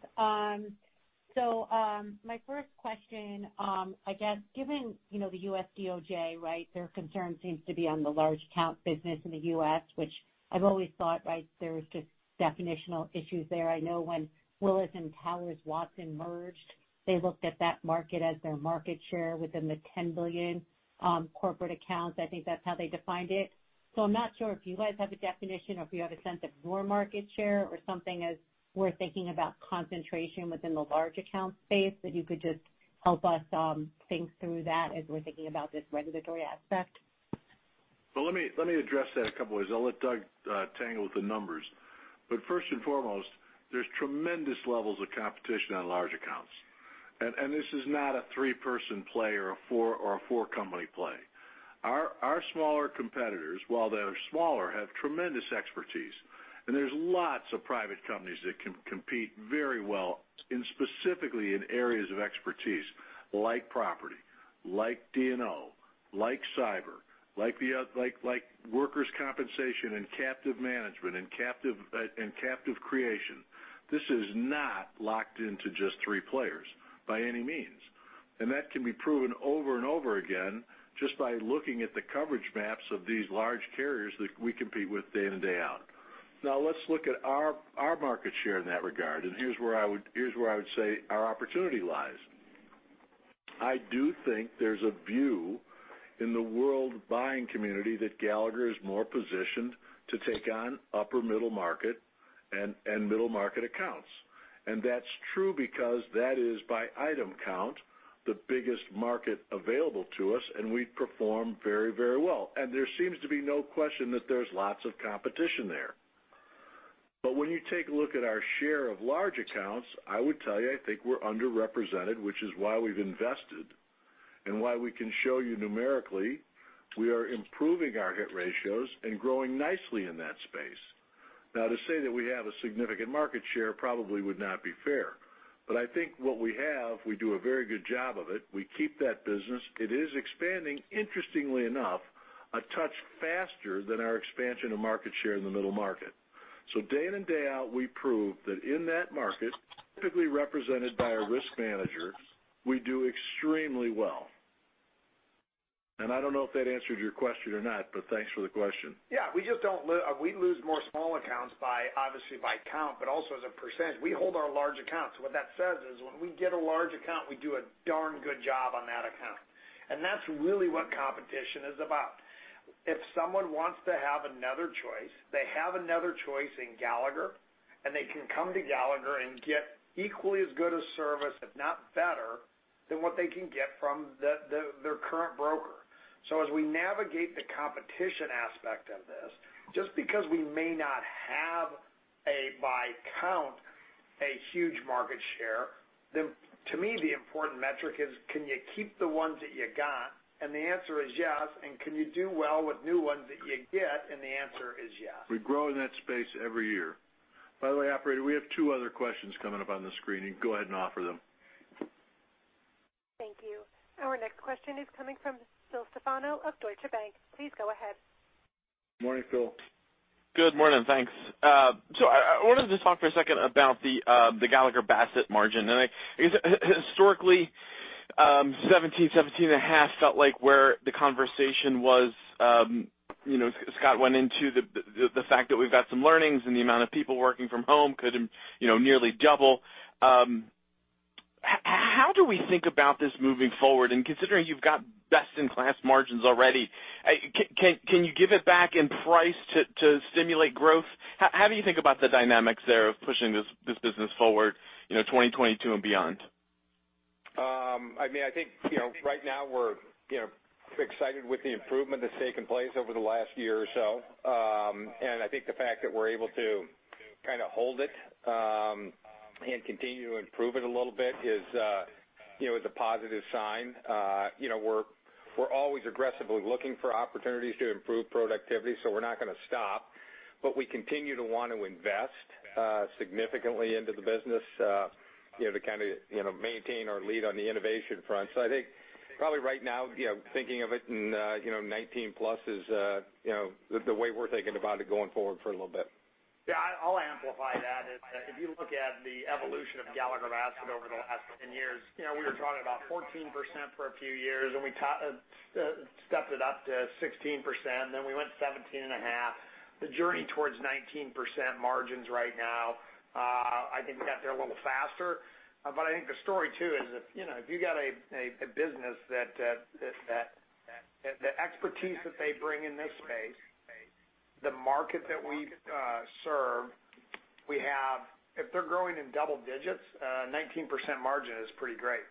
My first question, I guess, given the U.S. DOJ, right? Their concern seems to be on the large account business in the U.S., which I've always thought there was just definitional issues there. I know when Willis and Towers Watson merged, they looked at that market as their market share within the $10 billion corporate accounts. I think that's how they defined it. I'm not sure if you guys have a definition or if you have a sense of your market share or something as we're thinking about concentration within the large account space that you could just help us think through that as we're thinking about this regulatory aspect. Let me address that a couple ways. I'll let Doug tangle with the numbers. First and foremost, there's tremendous levels of competition on large accounts. This is not a three-person play or a four-company play. Our smaller competitors, while they are smaller, have tremendous expertise, and there's lots of private companies that can compete very well specifically in areas of expertise like property, like D&O, like cyber, like workers' compensation and captive management and captive creation. This is not locked into just three players by any means. That can be proven over and over again just by looking at the coverage maps of these large carriers that we compete with day in and day out. Now let's look at our market share in that regard, and here's where I would say our opportunity lies. I do think there's a view in the world buying community that Gallagher is more positioned to take on upper middle market and middle market accounts. That's true because that is, by item count, the biggest market available to us, and we perform very well. There seems to be no question that there's lots of competition there. When you take a look at our share of large accounts, I would tell you, I think we're underrepresented, which is why we've invested and why we can show you numerically we are improving our hit ratios and growing nicely in that space. Now, to say that we have a significant market share probably would not be fair. I think what we have, we do a very good job of it. We keep that business. It is expanding, interestingly enough, a touch faster than our expansion of market share in the middle market. Day in and day out, we prove that in that market, typically represented by a risk manager, we do extremely well. I don't know if that answered your question or not, but thanks for the question. Yeah. We lose more small accounts, obviously by count, but also as a percentage. We hold our large accounts. What that says is when we get a large account, we do a darn good job on that account. That's really what competition is about. If someone wants to have another choice, they have another choice in Gallagher, and they can come to Gallagher and get equally as good a service, if not better, than what they can get from their current broker. As we navigate the competition aspect of this, just because we may not have, by count, a huge market share, then to me, the important metric is can you keep the ones that you got? The answer is yes. Can you do well with new ones that you get? The answer is yes. We grow in that space every year. By the way, operator, we have two other questions coming up on the screen. You can go ahead and offer them. Thank you. Our next question is coming from Phil Stefano of Deutsche Bank. Please go ahead. Morning, Phil. Good morning. Thanks. I wanted to talk for a second about the Gallagher Bassett margin. I guess historically, 17 and a half felt like where the conversation was. Scott went into the fact that we've got some learnings and the amount of people working from home could nearly double. How do we think about this moving forward? Considering you've got best in class margins already, can you give it back in price to stimulate growth? How do you think about the dynamics there of pushing this business forward 2022 and beyond? I think right now we're excited with the improvement that's taken place over the last year or so. I think the fact that we're able to kind of hold it and continue to improve it a little bit is a positive sign. We're always aggressively looking for opportunities to improve productivity, we're not going to stop. We continue to want to invest significantly into the business to maintain our lead on the innovation front. I think probably right now, thinking of it in 19+ is the way we're thinking about it going forward for a little bit. Yeah, I'll amplify that is that if you look at the evolution of Gallagher Bassett over the last 10 years, we were talking about 14% for a few years, and we stepped it up to 16%. We went 17.5%. The journey towards 19% margins right now, I think we got there a little faster. I think the story too is if you got a business that the expertise that they bring in this space, the market that we serve, if they're growing in double digits, a 19% margin is pretty great.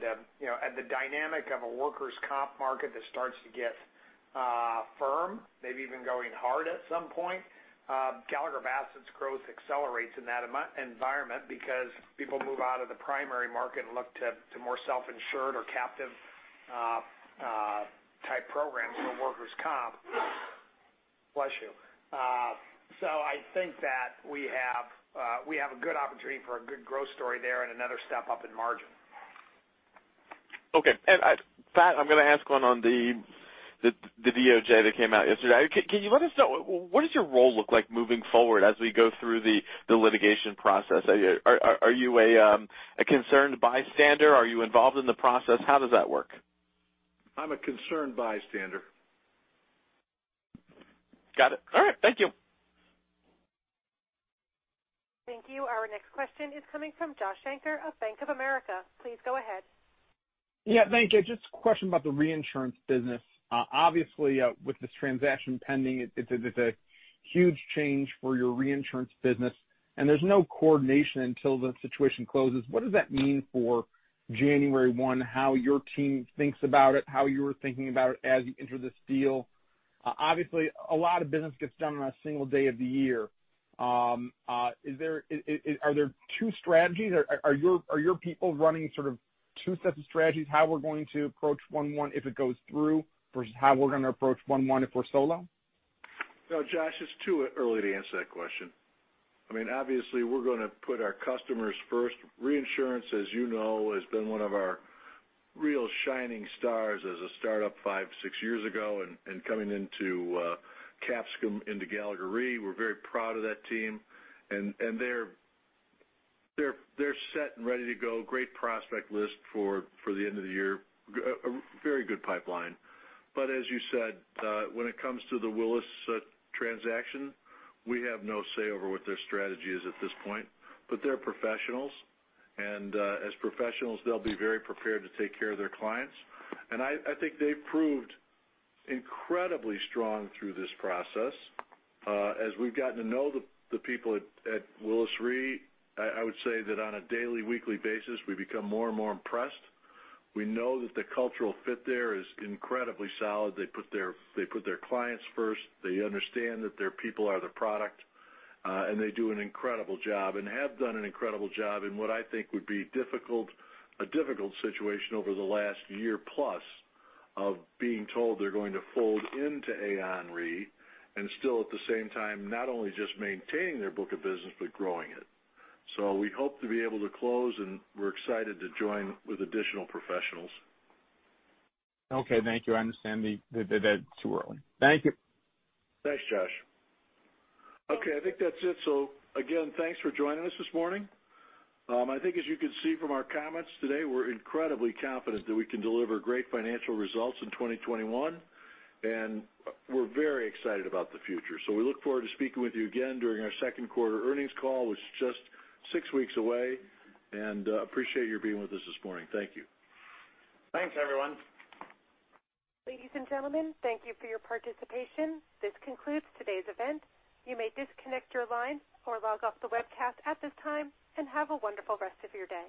The dynamic of a workers' comp market that starts to get firm, maybe even going hard at some point, Gallagher Bassett's growth accelerates in that environment because people move out of the primary market and look to more self-insured or captive type programs for workers' comp. Bless you. I think that we have a good opportunity for a good growth story there and another step up in margin. Okay. Pat, I'm going to ask one on the DOJ that came out yesterday. Can you let us know, what does your role look like moving forward as we go through the litigation process? Are you a concerned bystander? Are you involved in the process? How does that work? I'm a concerned bystander. Got it. All right. Thank you. Thank you. Our next question is coming from Joshua Shanker of Bank of America. Please go ahead. Thank you. Just a question about the reinsurance business. Obviously, with this transaction pending, it's a huge change for your reinsurance business, and there's no coordination until the situation closes. What does that mean for January 1, how your team thinks about it, how you were thinking about it as you enter this deal? Obviously, a lot of business gets done on a single day of the year. Are there two strategies? Are your people running sort of two sets of strategies, how we're going to approach One One if it goes through, versus how we're going to approach One One if we're solo? No, Josh, it's too early to answer that question. Obviously, we're going to put our customers first. Reinsurance, as you know, has been one of our real shining stars as a startup five to six years ago, and coming into Capsicum Re into Gallagher Re, we're very proud of that team. They're set and ready to go. Great prospect list for the end of the year. A very good pipeline. As you said, when it comes to the Willis transaction, we have no say over what their strategy is at this point. They're professionals, and as professionals, they'll be very prepared to take care of their clients. I think they've proved incredibly strong through this process. As we've gotten to know the people at Willis Re, I would say that on a daily, weekly basis, we become more and more impressed. We know that the cultural fit there is incredibly solid. They put their clients first. They understand that their people are the product, and they do an incredible job and have done an incredible job in what I think would be a difficult situation over the last year plus of being told they're going to fold into Aon Re, and still at the same time, not only just maintaining their book of business, but growing it. We hope to be able to close, and we're excited to join with additional professionals. Okay, thank you. I understand that that's too early. Thank you. Thanks, Josh. Okay, I think that's it. Again, thanks for joining us this morning. I think as you can see from our comments today, we're incredibly confident that we can deliver great financial results in 2021, and we're very excited about the future. We look forward to speaking with you again during our second quarter earnings call, which is just six weeks away, and appreciate your being with us this morning. Thank you. Thanks, everyone. Ladies and gentlemen, thank you for your participation. This concludes today's event. You may disconnect your line or log off the webcast at this time. Have a wonderful rest of your day.